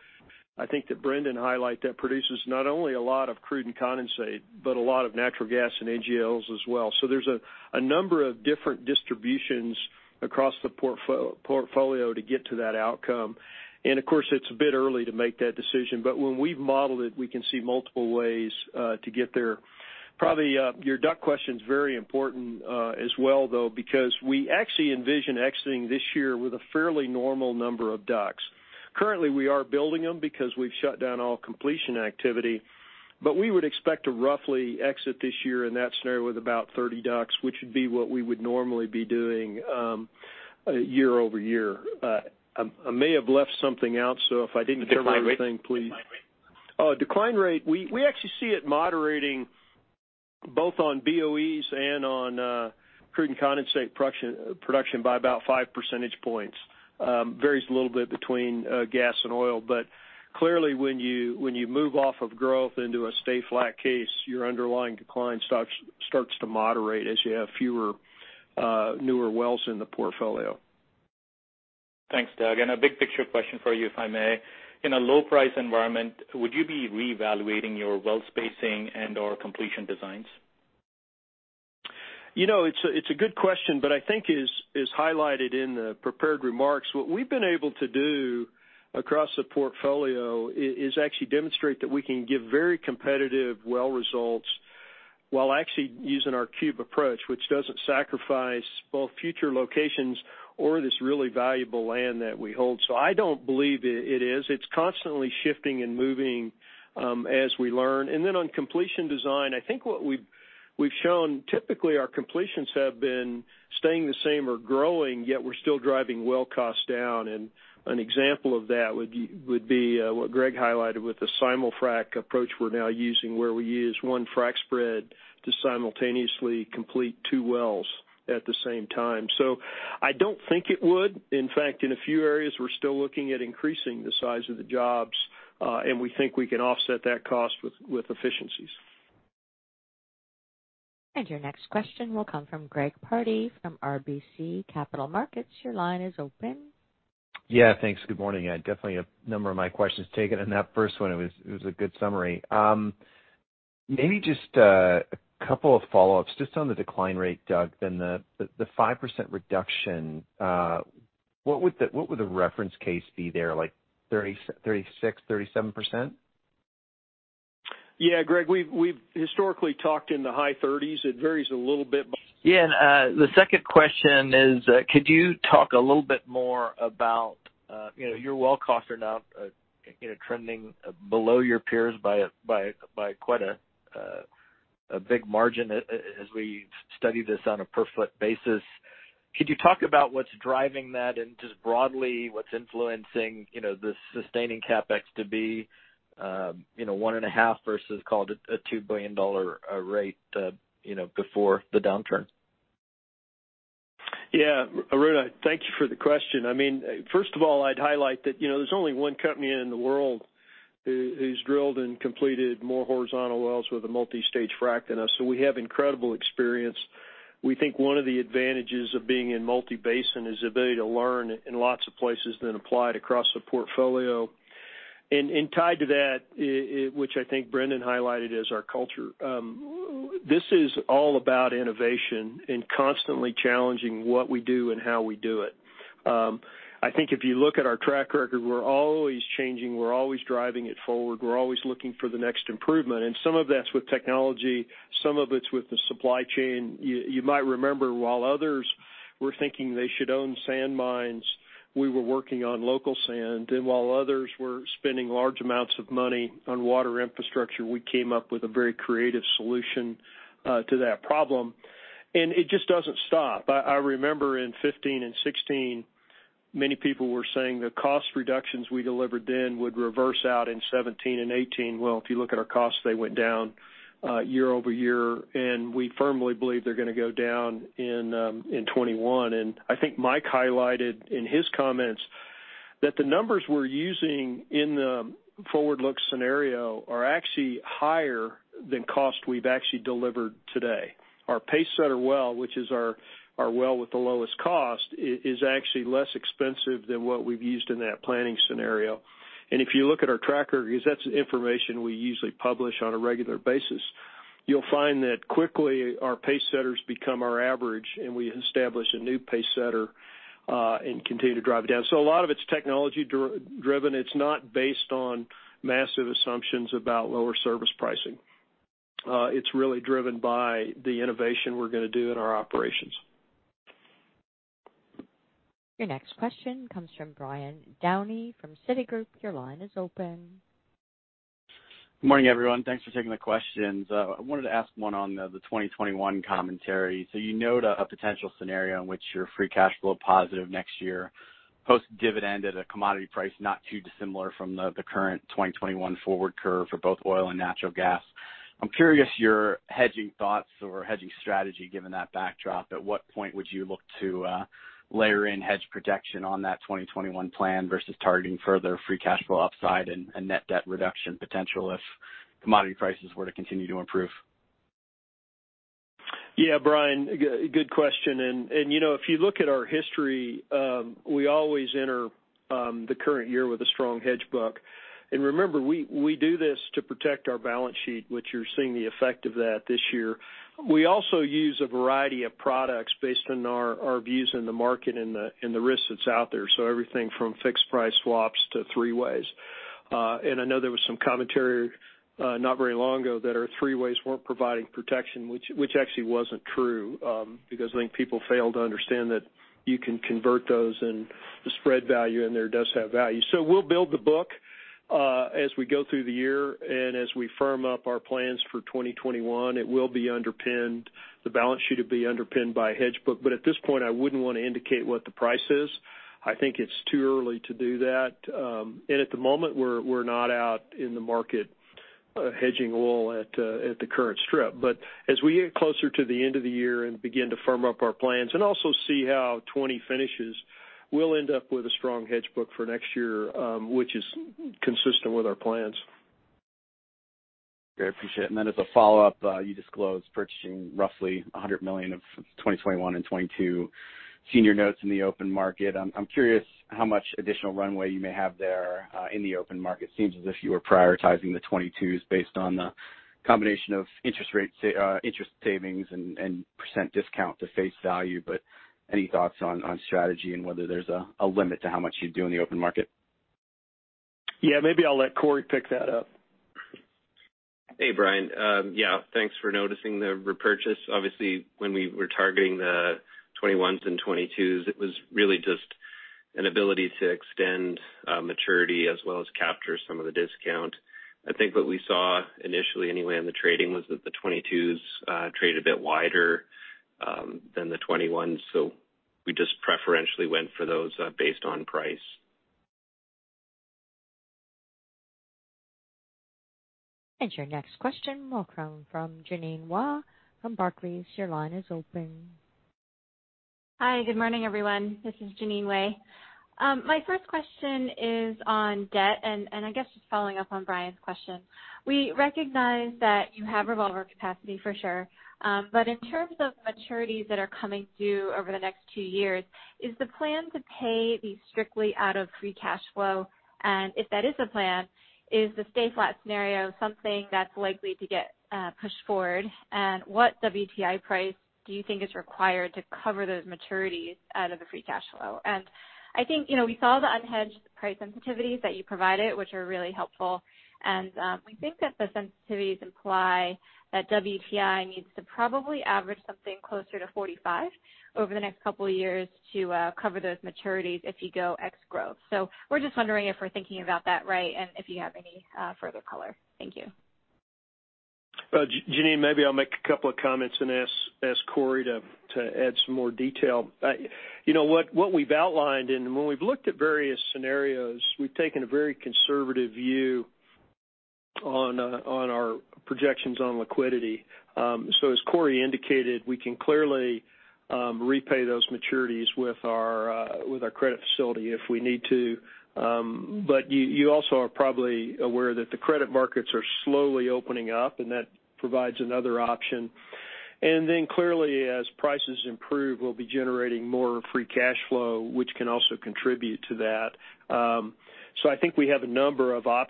I think that Brendan highlighted, that produces not only a lot of crude and condensate, but a lot of natural gas and NGLs as well. There's a number of different distributions across the portfolio to get to that outcome. Of course, it's a bit early to make that decision. When we've modeled it, we can see multiple ways to get there. Probably your DUC question's very important as well, though, because we actually envision exiting this year with a fairly normal number of DUCs. Currently, we are building them because we've shut down all completion activity. We would expect to roughly exit this year in that scenario with about 30 DUCs, which would be what we would normally be doing year-over-year. I may have left something out, so if I didn't cover everything, please. Decline rate. Decline rate. We actually see it moderating both on BOEs and on crude and condensate production by about five percentage points. Varies a little bit between gas and oil. Clearly when you move off of growth into a stay flat case, your underlying decline starts to moderate as you have fewer newer wells in the portfolio. Thanks, Doug, a big picture question for you, if I may. In a low price environment, would you be reevaluating your well spacing and/or completion designs? It's a good question, but I think as highlighted in the prepared remarks, what we've been able to do across the portfolio is actually demonstrate that we can give very competitive well results while actually using our cube approach, which doesn't sacrifice both future locations or this really valuable land that we hold. I don't believe it is. It's constantly shifting and moving as we learn. On completion design, I think what we've shown, typically our completions have been staying the same or growing, yet we're still driving well cost down. An example of that would be what Greg highlighted with the simul-frac approach we're now using where we use one frac spread to simultaneously complete two wells at the same time. I don't think it would. In fact, in a few areas, we're still looking at increasing the size of the jobs, and we think we can offset that cost with efficiencies. Your next question will come from Greg Pardy from RBC Capital Markets. Your line is open. Yeah, thanks. Good morning. Definitely a number of my questions taken. That first one it was a good summary. Maybe just a couple of follow-ups just on the decline rate, Doug, then the 5% reduction. What would the reference case be there, like 36%, 37%? Yeah, Greg, we've historically talked in the high 30s. It varies a little bit. Yeah, the second question is, could you talk a little bit more about your well costs are now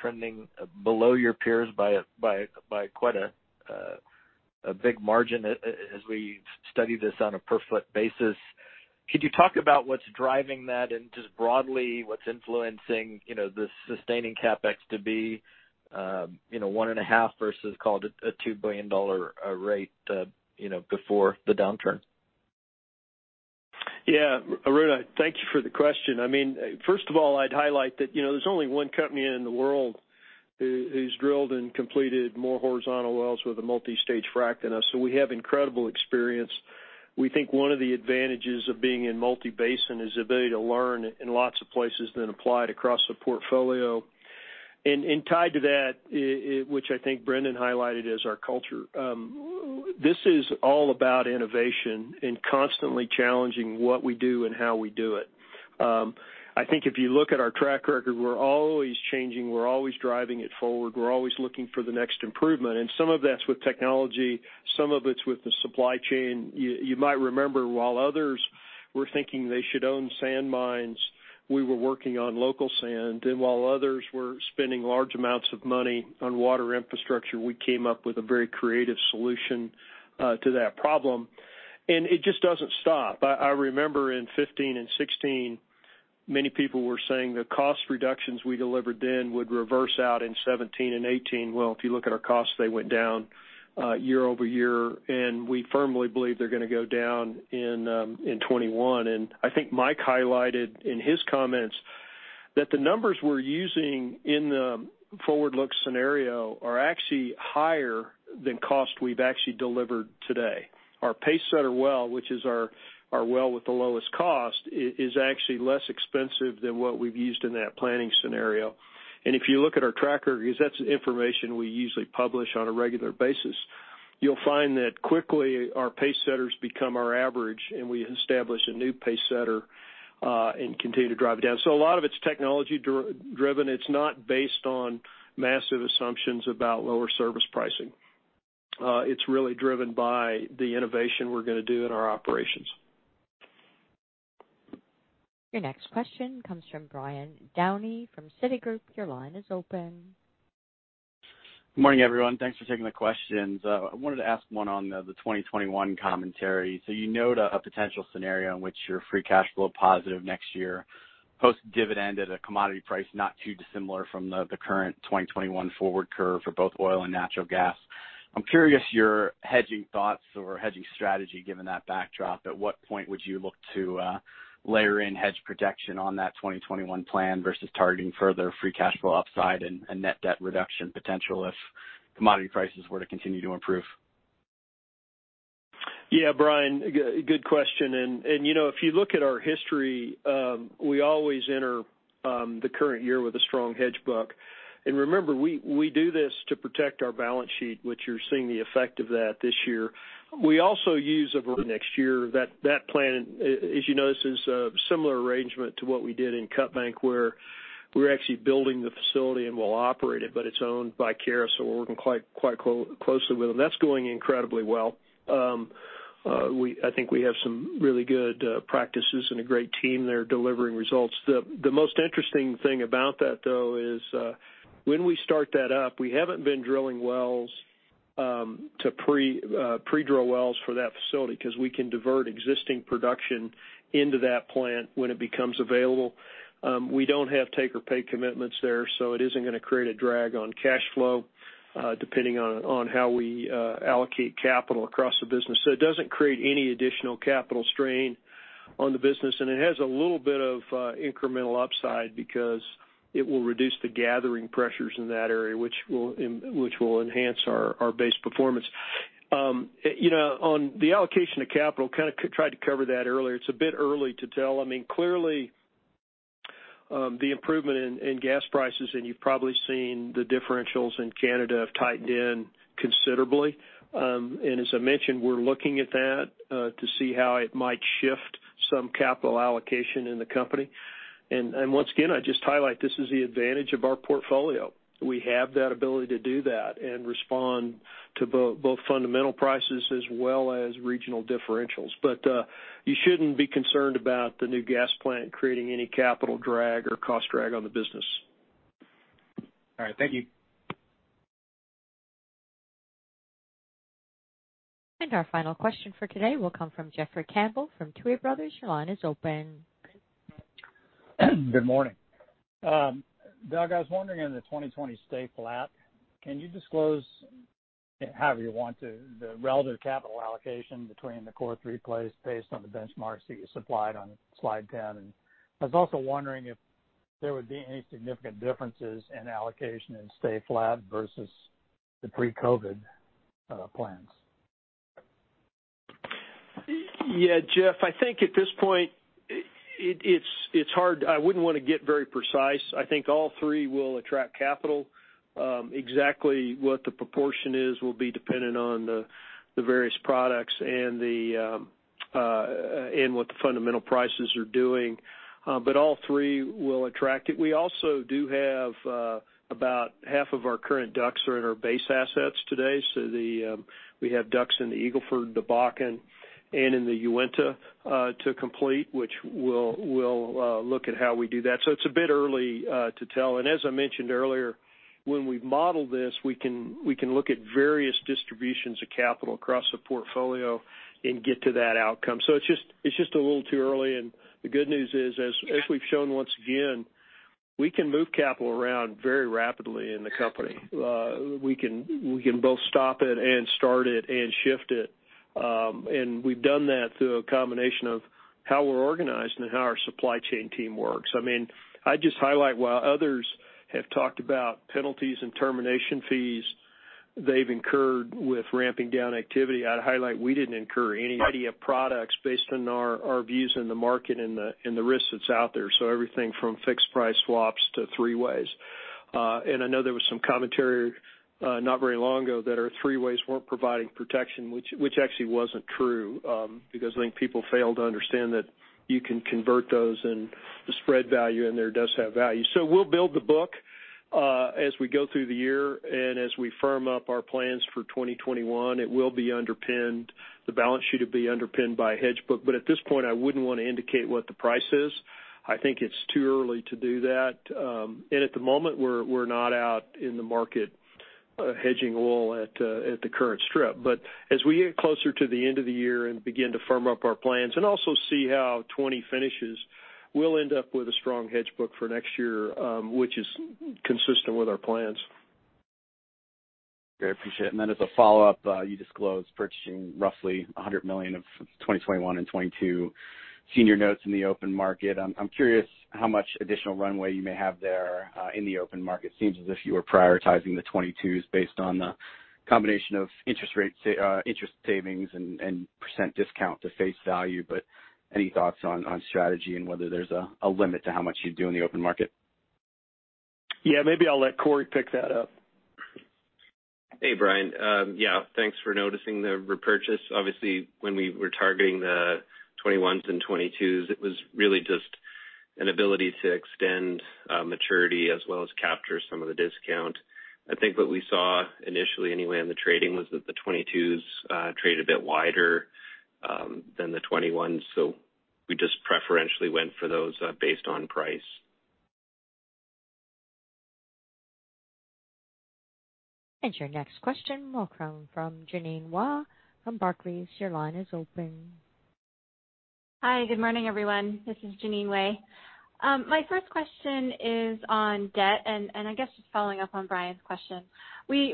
trending below your peers by quite a big margin as we study this on a per foot basis. Could you talk about what's driving that and just broadly what's influencing the sustaining CapEx to be one and a half versus call it a $2 billion rate before the downturn? Yeah. Arun, thank you for the question. First of all, I'd highlight that there's only one company in the world who's drilled and completed more horizontal wells with a multi-stage frac than us. We have incredible experience. We think one of the advantages of being in multi-basin is the ability to learn in lots of places, then apply it across the portfolio. Tied to that, which I think Brendan highlighted as our culture. This is all about innovation and constantly challenging what we do and how we do it. I think if you look at our track record, we're always changing, we're always driving it forward, we're always looking for the next improvement, and some of that's with technology, some of it's with the supply chain. You might remember, while others were thinking they should own sand mines, we were working on local sand. While others were spending large amounts of money on water infrastructure, we came up with a very creative solution to that problem. It just doesn't stop. I remember in 2015 and 2016, many people were saying the cost reductions we delivered then would reverse out in 2017 and 2018. Well, if you look at our costs, they went down year-over-year, and we firmly believe they're going to go down in 2021. I think Mike highlighted in his comments that the numbers we're using in the forward-look scenario are actually higher than cost we've actually delivered today. Our pacesetter well, which is our well with the lowest cost, is actually less expensive than what we've used in that planning scenario. If you look at our tracker, because that's information we usually publish on a regular basis, you'll find that quickly our pacesetters become our average, and we establish a new pacesetter, and continue to drive it down. A lot of it's technology driven. It's not based on massive assumptions about lower service pricing. It's really driven by the innovation we're going to do in our operations. layer in hedge protection on that 2021 plan versus targeting further free cash flow upside and net debt reduction potential if commodity prices were to continue to improve? Yeah, Brian, good question. If you look at our history, we always enter the current year with a strong hedge book. Remember, we do this to protect our balance sheet, which you're seeing the effect of that this year. We also use next year. That plan, as you notice, is a similar arrangement to what we did in Cutbank, where we're actually building the facility, and we'll operate it, but it's owned by Keyera, so we're working quite closely with them. That's going incredibly well. I think we have some really good practices and a great team there delivering results. The most interesting thing about that, though, is when we start that up, we haven't been drilling wells to pre-drilling wells for that facility because we can divert existing production into that plant when it becomes available. We don't have take-or-pay commitments there, it isn't going to create a drag on cash flow, depending on how we allocate capital across the business. It doesn't create any additional capital strain on the business, and it has a little bit of incremental upside because it will reduce the gathering pressures in that area, which will enhance our base performance. On the allocation of capital, kind of tried to cover that earlier. It's a bit early to tell. Clearly, the improvement in gas prices, you've probably seen the differentials in Canada have tightened considerably. As I mentioned, we're looking at that to see how it might shift some capital allocation in the company. Once again, I'd just highlight, this is the advantage of our portfolio. We have that ability to do that and respond to both fundamental prices as well as regional differentials. You shouldn't be concerned about the new gas plant creating any capital drag or cost drag on the business. All right. Thank you. Our final question for today will come from Jeffrey Campbell from Tuohy Brothers. Your line is open. Good morning. Doug, I was wondering, in the 2020 stay flat, can you disclose, however you want to, the relative capital allocation between the core three plays based on the benchmarks that you supplied on slide 10? I was also wondering if there would be any significant differences in allocation in stay flat versus the pre-COVID plans. Yeah, Jeff, I think at this point it's hard. I wouldn't want to get very precise. I think all three will attract capital. Exactly what the proportion is will be dependent on the various products and what the fundamental prices are doing. All three will attract it. We also do have about half of our current DUCs are in our base assets today. We have DUCs in the Eagle Ford, the Bakken, and in the Uinta to complete, which we'll look at how we do that. It's a bit early to tell. As I mentioned earlier, when we've modeled this, we can look at various distributions of capital across the portfolio and get to that outcome. It's just a little too early, and the good news is, as we've shown once again, we can move capital around very rapidly in the company. We can both stop it and start it and shift it. We've done that through a combination of how we're organized and how our supply chain team works. I'd just highlight, while others have talked about penalties and termination fees they've incurred with ramping down activity, I'd highlight we didn't incur any idea of products based on our views in the market and the risk that's out there. Everything from fixed price swaps to three-ways. I know there was some commentary not very long ago that our three-ways weren't providing protection, which actually wasn't true, because I think people failed to understand that you can convert those, and the spread value in there does have value. We'll build the book as we go through the year, and as we firm up our plans for 2021, it will be underpinned. The balance sheet will be underpinned by a hedge book. At this point, I wouldn't want to indicate what the price is. I think it's too early to do that. At the moment, we're not out in the market hedging oil at the current strip. As we get closer to the end of the year and begin to firm up our plans and also see how 2020 finishes, we'll end up with a strong hedge book for next year, which is consistent with our plans. Great, appreciate it. As a follow-up, you disclosed purchasing roughly $100 million of 2021 and 2022 senior notes in the open market. I'm curious how much additional runway you may have there in the open market. It seems as if you were prioritizing the 2022s based on the combination of interest savings and % discount to face value. Any thoughts on strategy and whether there's a limit to how much you'd do in the open market? Yeah, maybe I'll let Corey pick that up. Hey, Brian. Yeah, thanks for noticing the repurchase. Obviously, when we were targeting the 2021s and 2022s, it was really just an ability to extend maturity as well as capture some of the discount. I think what we saw initially, anyway, on the trading, was that the 2022s trade a bit wider than the 2021s. We just preferentially went for those based on price. Your next question will come from Jeanine Wai from Barclays. Your line is open. Hi, good morning, everyone. This is Jeanine Wai. My first question is on debt, I guess just following up on Brian's question. In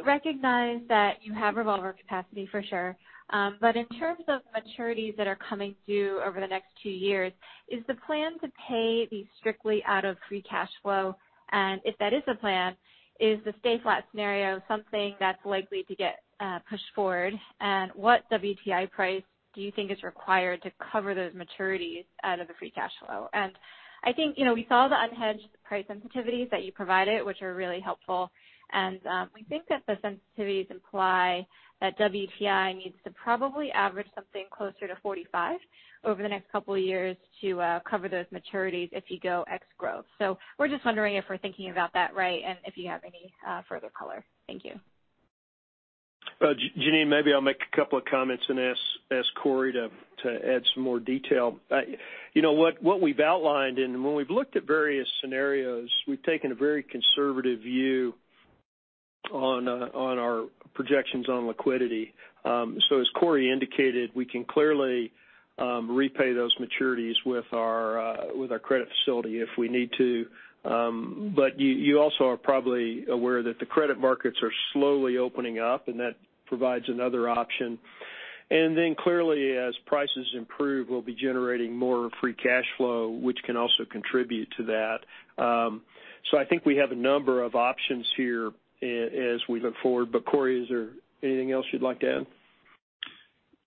terms of maturities that are coming due over the next two years, is the plan to pay these strictly out of free cash flow? If that is the plan, is the stay flat scenario something that's likely to get pushed forward? What WTI price do you think is required to cover those maturities out of the free cash flow? I think we saw the unhedged price sensitivities that you provided, which are really helpful. We think that the sensitivities imply that WTI needs to probably average something closer to $45 over the next couple of years to cover those maturities if you go ex growth. We're just wondering if we're thinking about that right, and if you have any further color. Thank you. Jeanine, maybe I'll make a couple of comments and ask Corey to add some more detail. What we've outlined, and when we've looked at various scenarios, we've taken a very conservative view on our projections on liquidity. As Corey indicated, we can clearly repay those maturities with our credit facility if we need to. You also are probably aware that the credit markets are slowly opening up, and that provides another option. Clearly, as prices improve, we'll be generating more free cash flow, which can also contribute to that. I think we have a number of options here as we look forward. Corey, is there anything else you'd like to add?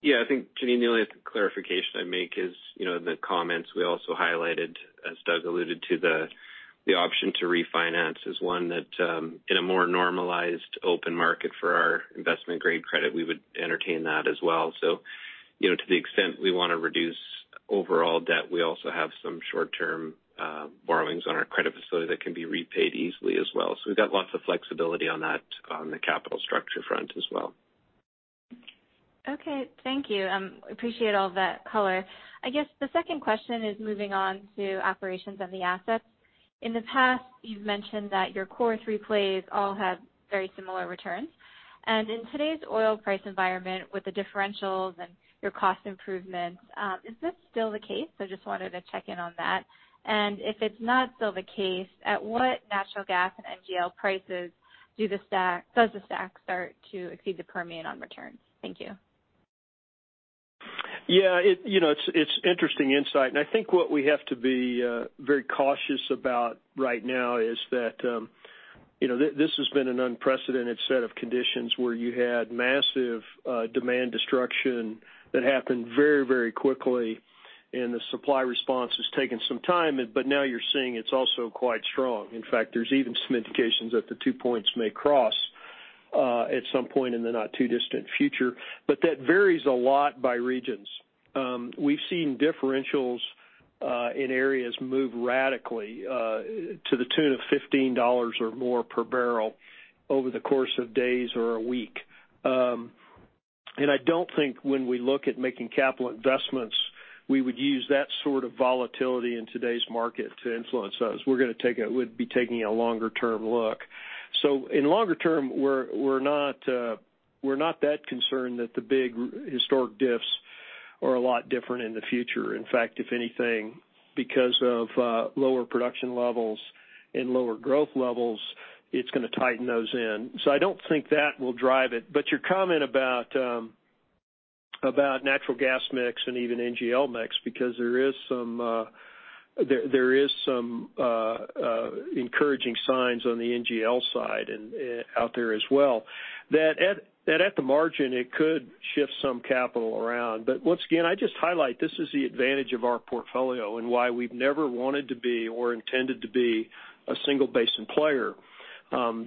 Yeah, I think, Jeanine, the only other clarification I'd make is, the comments we also highlighted, as Doug alluded to, the option to refinance is one that, in a more normalized open market for our investment-grade credit, we would entertain that as well. To the extent we want to reduce overall debt, we also have some short-term borrowings on our credit facility that can be repaid easily as well. We've got lots of flexibility on that on the capital structure front as well. Okay. Thank you. Appreciate all that color. I guess the second question is moving on to operations of the assets. In the past, you've mentioned that your core three plays all have very similar returns. In today's oil price environment, with the differentials and your cost improvements, is this still the case? Just wanted to check in on that. If it's not still the case, at what natural gas and NGL prices does the STACK start to exceed the Permian on returns? Thank you. Yeah. It's interesting insight. I think what we have to be very cautious about right now is that this has been an unprecedented set of conditions where you had massive demand destruction that happened very quickly. The supply response has taken some time, now you're seeing it's also quite strong. In fact, there's even some indications that the two points may cross at some point in the not-too-distant future. That varies a lot by regions. We've seen differentials in areas move radically, to the tune of $15 or more per barrel over the course of days or a week. I don't think when we look at making capital investments, we would use that sort of volatility in today's market to influence us. We'd be taking a longer-term look. In longer term, we're not that concerned that the big historic diffs are a lot different in the future. In fact, if anything, because of lower production levels and lower growth levels, it's going to tighten those in. I don't think that will drive it. Your comment about natural gas mix and even NGL mix, because there is some encouraging signs on the NGL side out there as well, that at the margin, it could shift some capital around. Once again, I just highlight, this is the advantage of our portfolio and why we've never wanted to be or intended to be a single-basin player.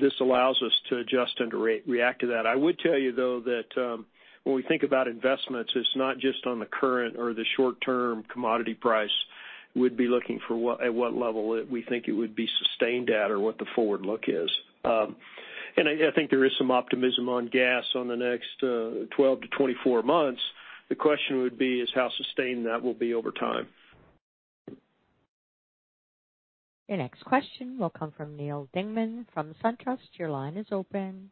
This allows us to adjust and to react to that. I would tell you, though, that when we think about investments, it's not just on the current or the short-term commodity price. We'd be looking at what level we think it would be sustained at or what the forward look is. I think there is some optimism on gas on the next 12 to 24 months. The question would be is how sustained that will be over time. Your next question will come from Neal Dingmann from SunTrust. Your line is open.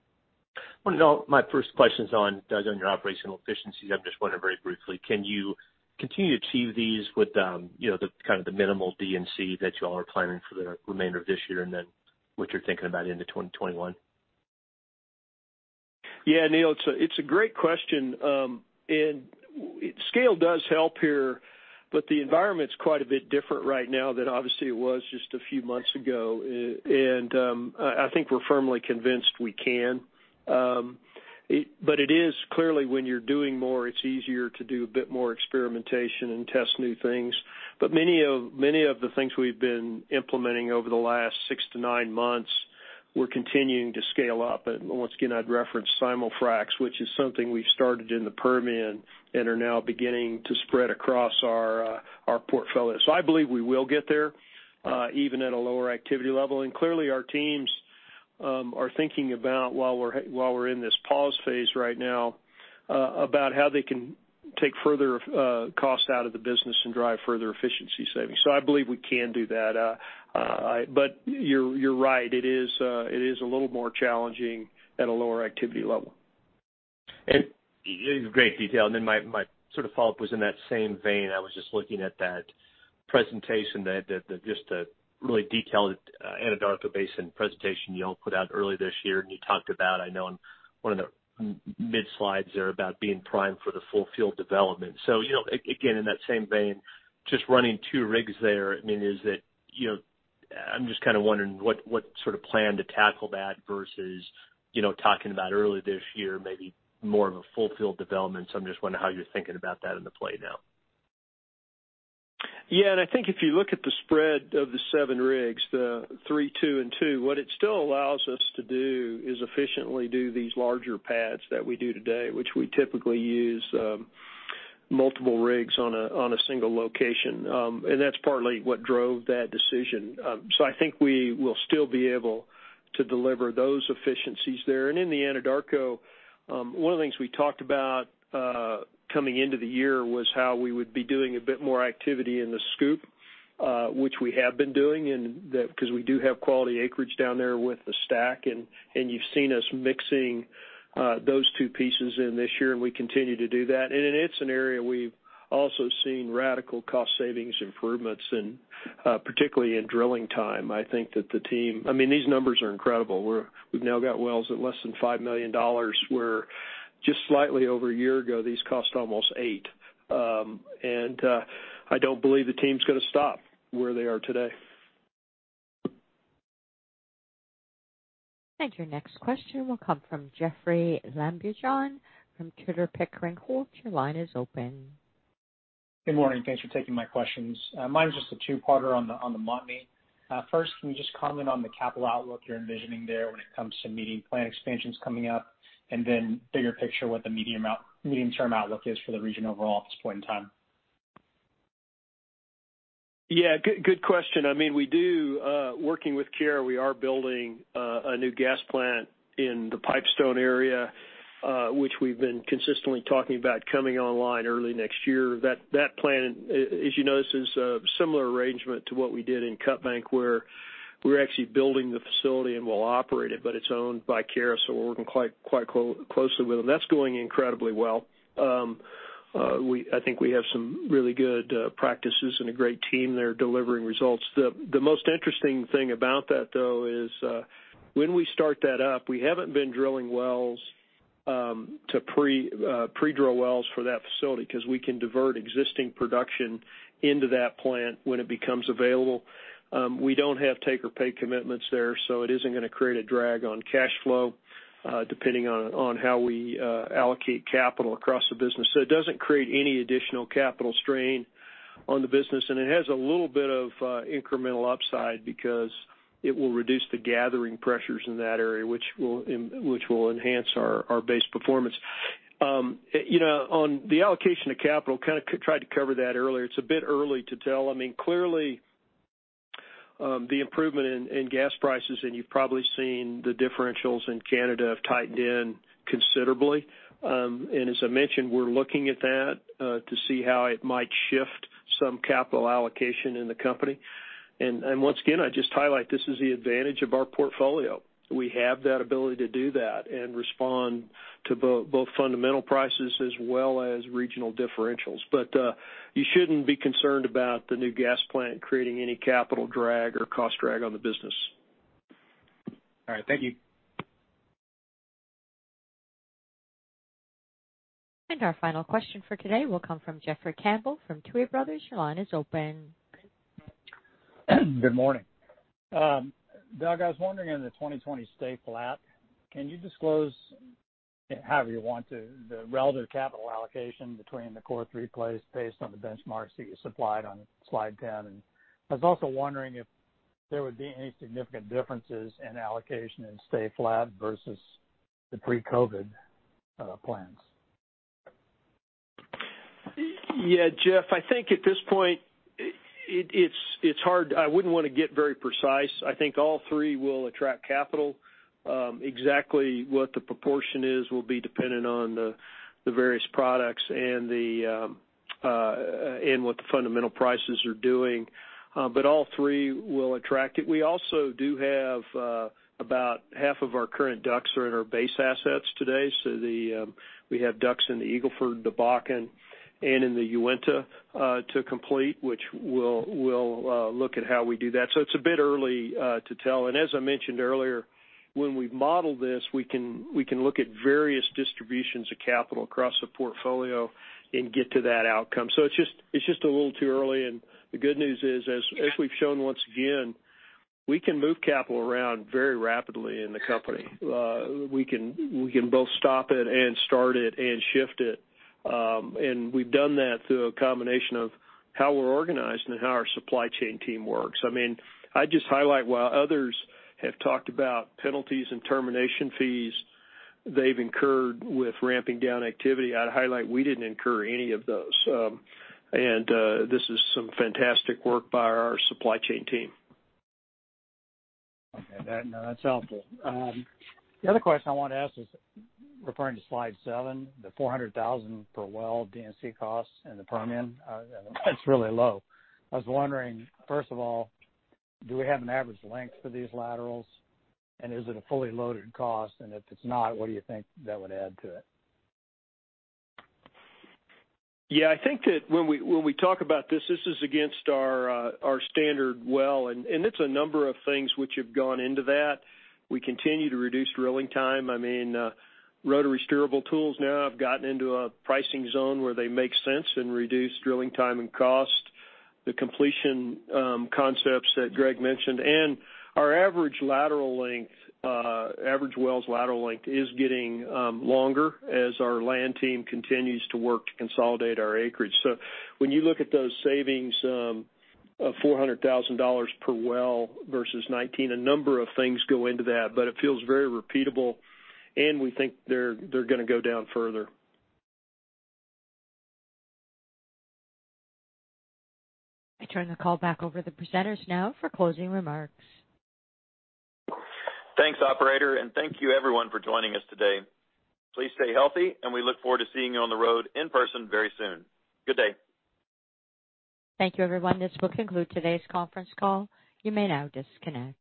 Well, my first question's on, Doug, on your operational efficiencies. I'm just wondering very briefly, can you continue to achieve these with the minimal D&C that you all are planning for the remainder of this year, and then what you're thinking about into 2021? Yeah, Neal, it's a great question. Scale does help here, but the environment's quite a bit different right now than obviously it was just a few months ago. I think we're firmly convinced we can. It is clearly when you're doing more, it's easier to do a bit more experimentation and test new things. Many of the things we've been implementing over the last six to nine months, we're continuing to scale up. Once again, I'd reference simul-fracs, which is something we've started in the Permian and are now beginning to spread across our portfolio. I believe we will get there, even at a lower activity level. Clearly our teams are thinking about while we're in this pause phase right now, about how they can take further cost out of the business and drive further efficiency savings. I believe we can do that. You're right. It is a little more challenging at a lower activity level. Great detail. My follow-up was in that same vein. I was just looking at that presentation, just the really detailed Anadarko Basin presentation you all put out earlier this year, and you talked about, I know in one of the mid slides there about being primed for the full field development. Again, in that same vein, just running two rigs there, I'm just kind of wondering what sort of plan to tackle that versus talking about earlier this year, maybe more of a full field development. I'm just wondering how you're thinking about that in the play now. Yeah, I think if you look at the spread of the seven rigs, the three, two, and two, what it still allows us to do is efficiently do these larger pads that we do today, which we typically use multiple rigs on a single location. That's partly what drove that decision. I think we will still be able to deliver those efficiencies there. In the Anadarko, one of the things we talked about coming into the year was how we would be doing a bit more activity in the SCOOP, which we have been doing, because we do have quality acreage down there with the STACK, and you've seen us mixing those two pieces in this year, and we continue to do that. It's an area. Also seeing radical cost savings improvements, particularly in drilling time. These numbers are incredible. We've now got wells at less than $5 million where just slightly over a year ago, these cost almost $8. I don't believe the team's going to stop where they are today. Your next question will come from Jeoffrey Lambujon from Tudor, Pickering, Holt. Your line is open. Good morning. Thanks for taking my questions. Mine's just a two-parter on the Montney. First, can you just comment on the capital outlook you're envisioning there when it comes to meeting planned expansions coming up, and then bigger picture, what the medium-term outlook is for the region overall at this point in time? Yeah, good question. Working with Keyera, we are building a new gas plant in the Pipestone area, which we've been consistently talking about coming online early next year. That plant, as you notice, is a similar arrangement to what we did in Cutbank, where we're actually building the facility and we'll operate it, but it's owned by Keyera, so we're working quite closely with them. That's going incredibly well. I think we have some really good practices and a great team there delivering results. The most interesting thing about that, though, is when we start that up, we haven't been pre-drilling wells for that facility because we can divert existing production into that plant when it becomes available. We don't have take or pay commitments there, so it isn't going to create a drag on cash flow, depending on how we allocate capital across the business. It doesn't create any additional capital strain on the business, and it has a little bit of incremental upside because it will reduce the gathering pressures in that area, which will enhance our base performance. On the allocation of capital, kind of tried to cover that earlier. It's a bit early to tell. Clearly, the improvement in gas prices, and you've probably seen the differentials in Canada have tightened in considerably. As I mentioned, we're looking at that to see how it might shift some capital allocation in the company. Once again, I'd just highlight this is the advantage of our portfolio. We have that ability to do that and respond to both fundamental prices as well as regional differentials. You shouldn't be concerned about the new gas plant creating any capital drag or cost drag on the business. All right. Thank you. Our final question for today will come from Jeffrey Campbell from Tuohy Brothers. Your line is open. Good morning. Doug, I was wondering in the 2020 stay flat, can you disclose, however you want to, the relative capital allocation between the core three plays based on the benchmarks that you supplied on slide 10? I was also wondering if there would be any significant differences in allocation in stay flat versus the pre-COVID plans. Yeah. Jeff, I think at this point it's hard. I wouldn't want to get very precise. I think all three will attract capital. Exactly what the proportion is will be dependent on the various products and what the fundamental prices are doing. All three will attract it. We also do have about half of our current DUCs are in our base assets today. We have DUCs in the Eagle Ford, the Bakken, and in the Uinta to complete, which we'll look at how we do that. It's a bit early to tell. As I mentioned earlier, when we've modeled this, we can look at various distributions of capital across the portfolio and get to that outcome. It's just a little too early, and the good news is, as we've shown once again, we can move capital around very rapidly in the company. We can both stop it and start it and shift it. We've done that through a combination of how we're organized and how our supply chain team works. I'd just highlight while others have talked about penalties and termination fees they've incurred with ramping down activity, I'd highlight we didn't incur any of those. This is some fantastic work by our supply chain team. Okay. That's helpful. The other question I wanted to ask is referring to slide seven, the $400,000 per well D&C costs and the Permian, that's really low. I was wondering, first of all, do we have an average length for these laterals, and is it a fully loaded cost? If it's not, what do you think that would add to it? Yeah, I think that when we talk about this is against our standard well, and it's a number of things which have gone into that. We continue to reduce drilling time. Rotary steerable tools now have gotten into a pricing zone where they make sense and reduce drilling time and cost. The completion concepts that Greg mentioned, and our average well's lateral length is getting longer as our land team continues to work to consolidate our acreage. When you look at those savings of $400,000 per well versus 2019, a number of things go into that, but it feels very repeatable, and we think they're going to go down further. I turn the call back over to the presenters now for closing remarks. Thanks, operator. Thank you everyone for joining us today. Please stay healthy, and we look forward to seeing you on the road in person very soon. Good day. Thank you, everyone. This will conclude today's conference call. You may now disconnect.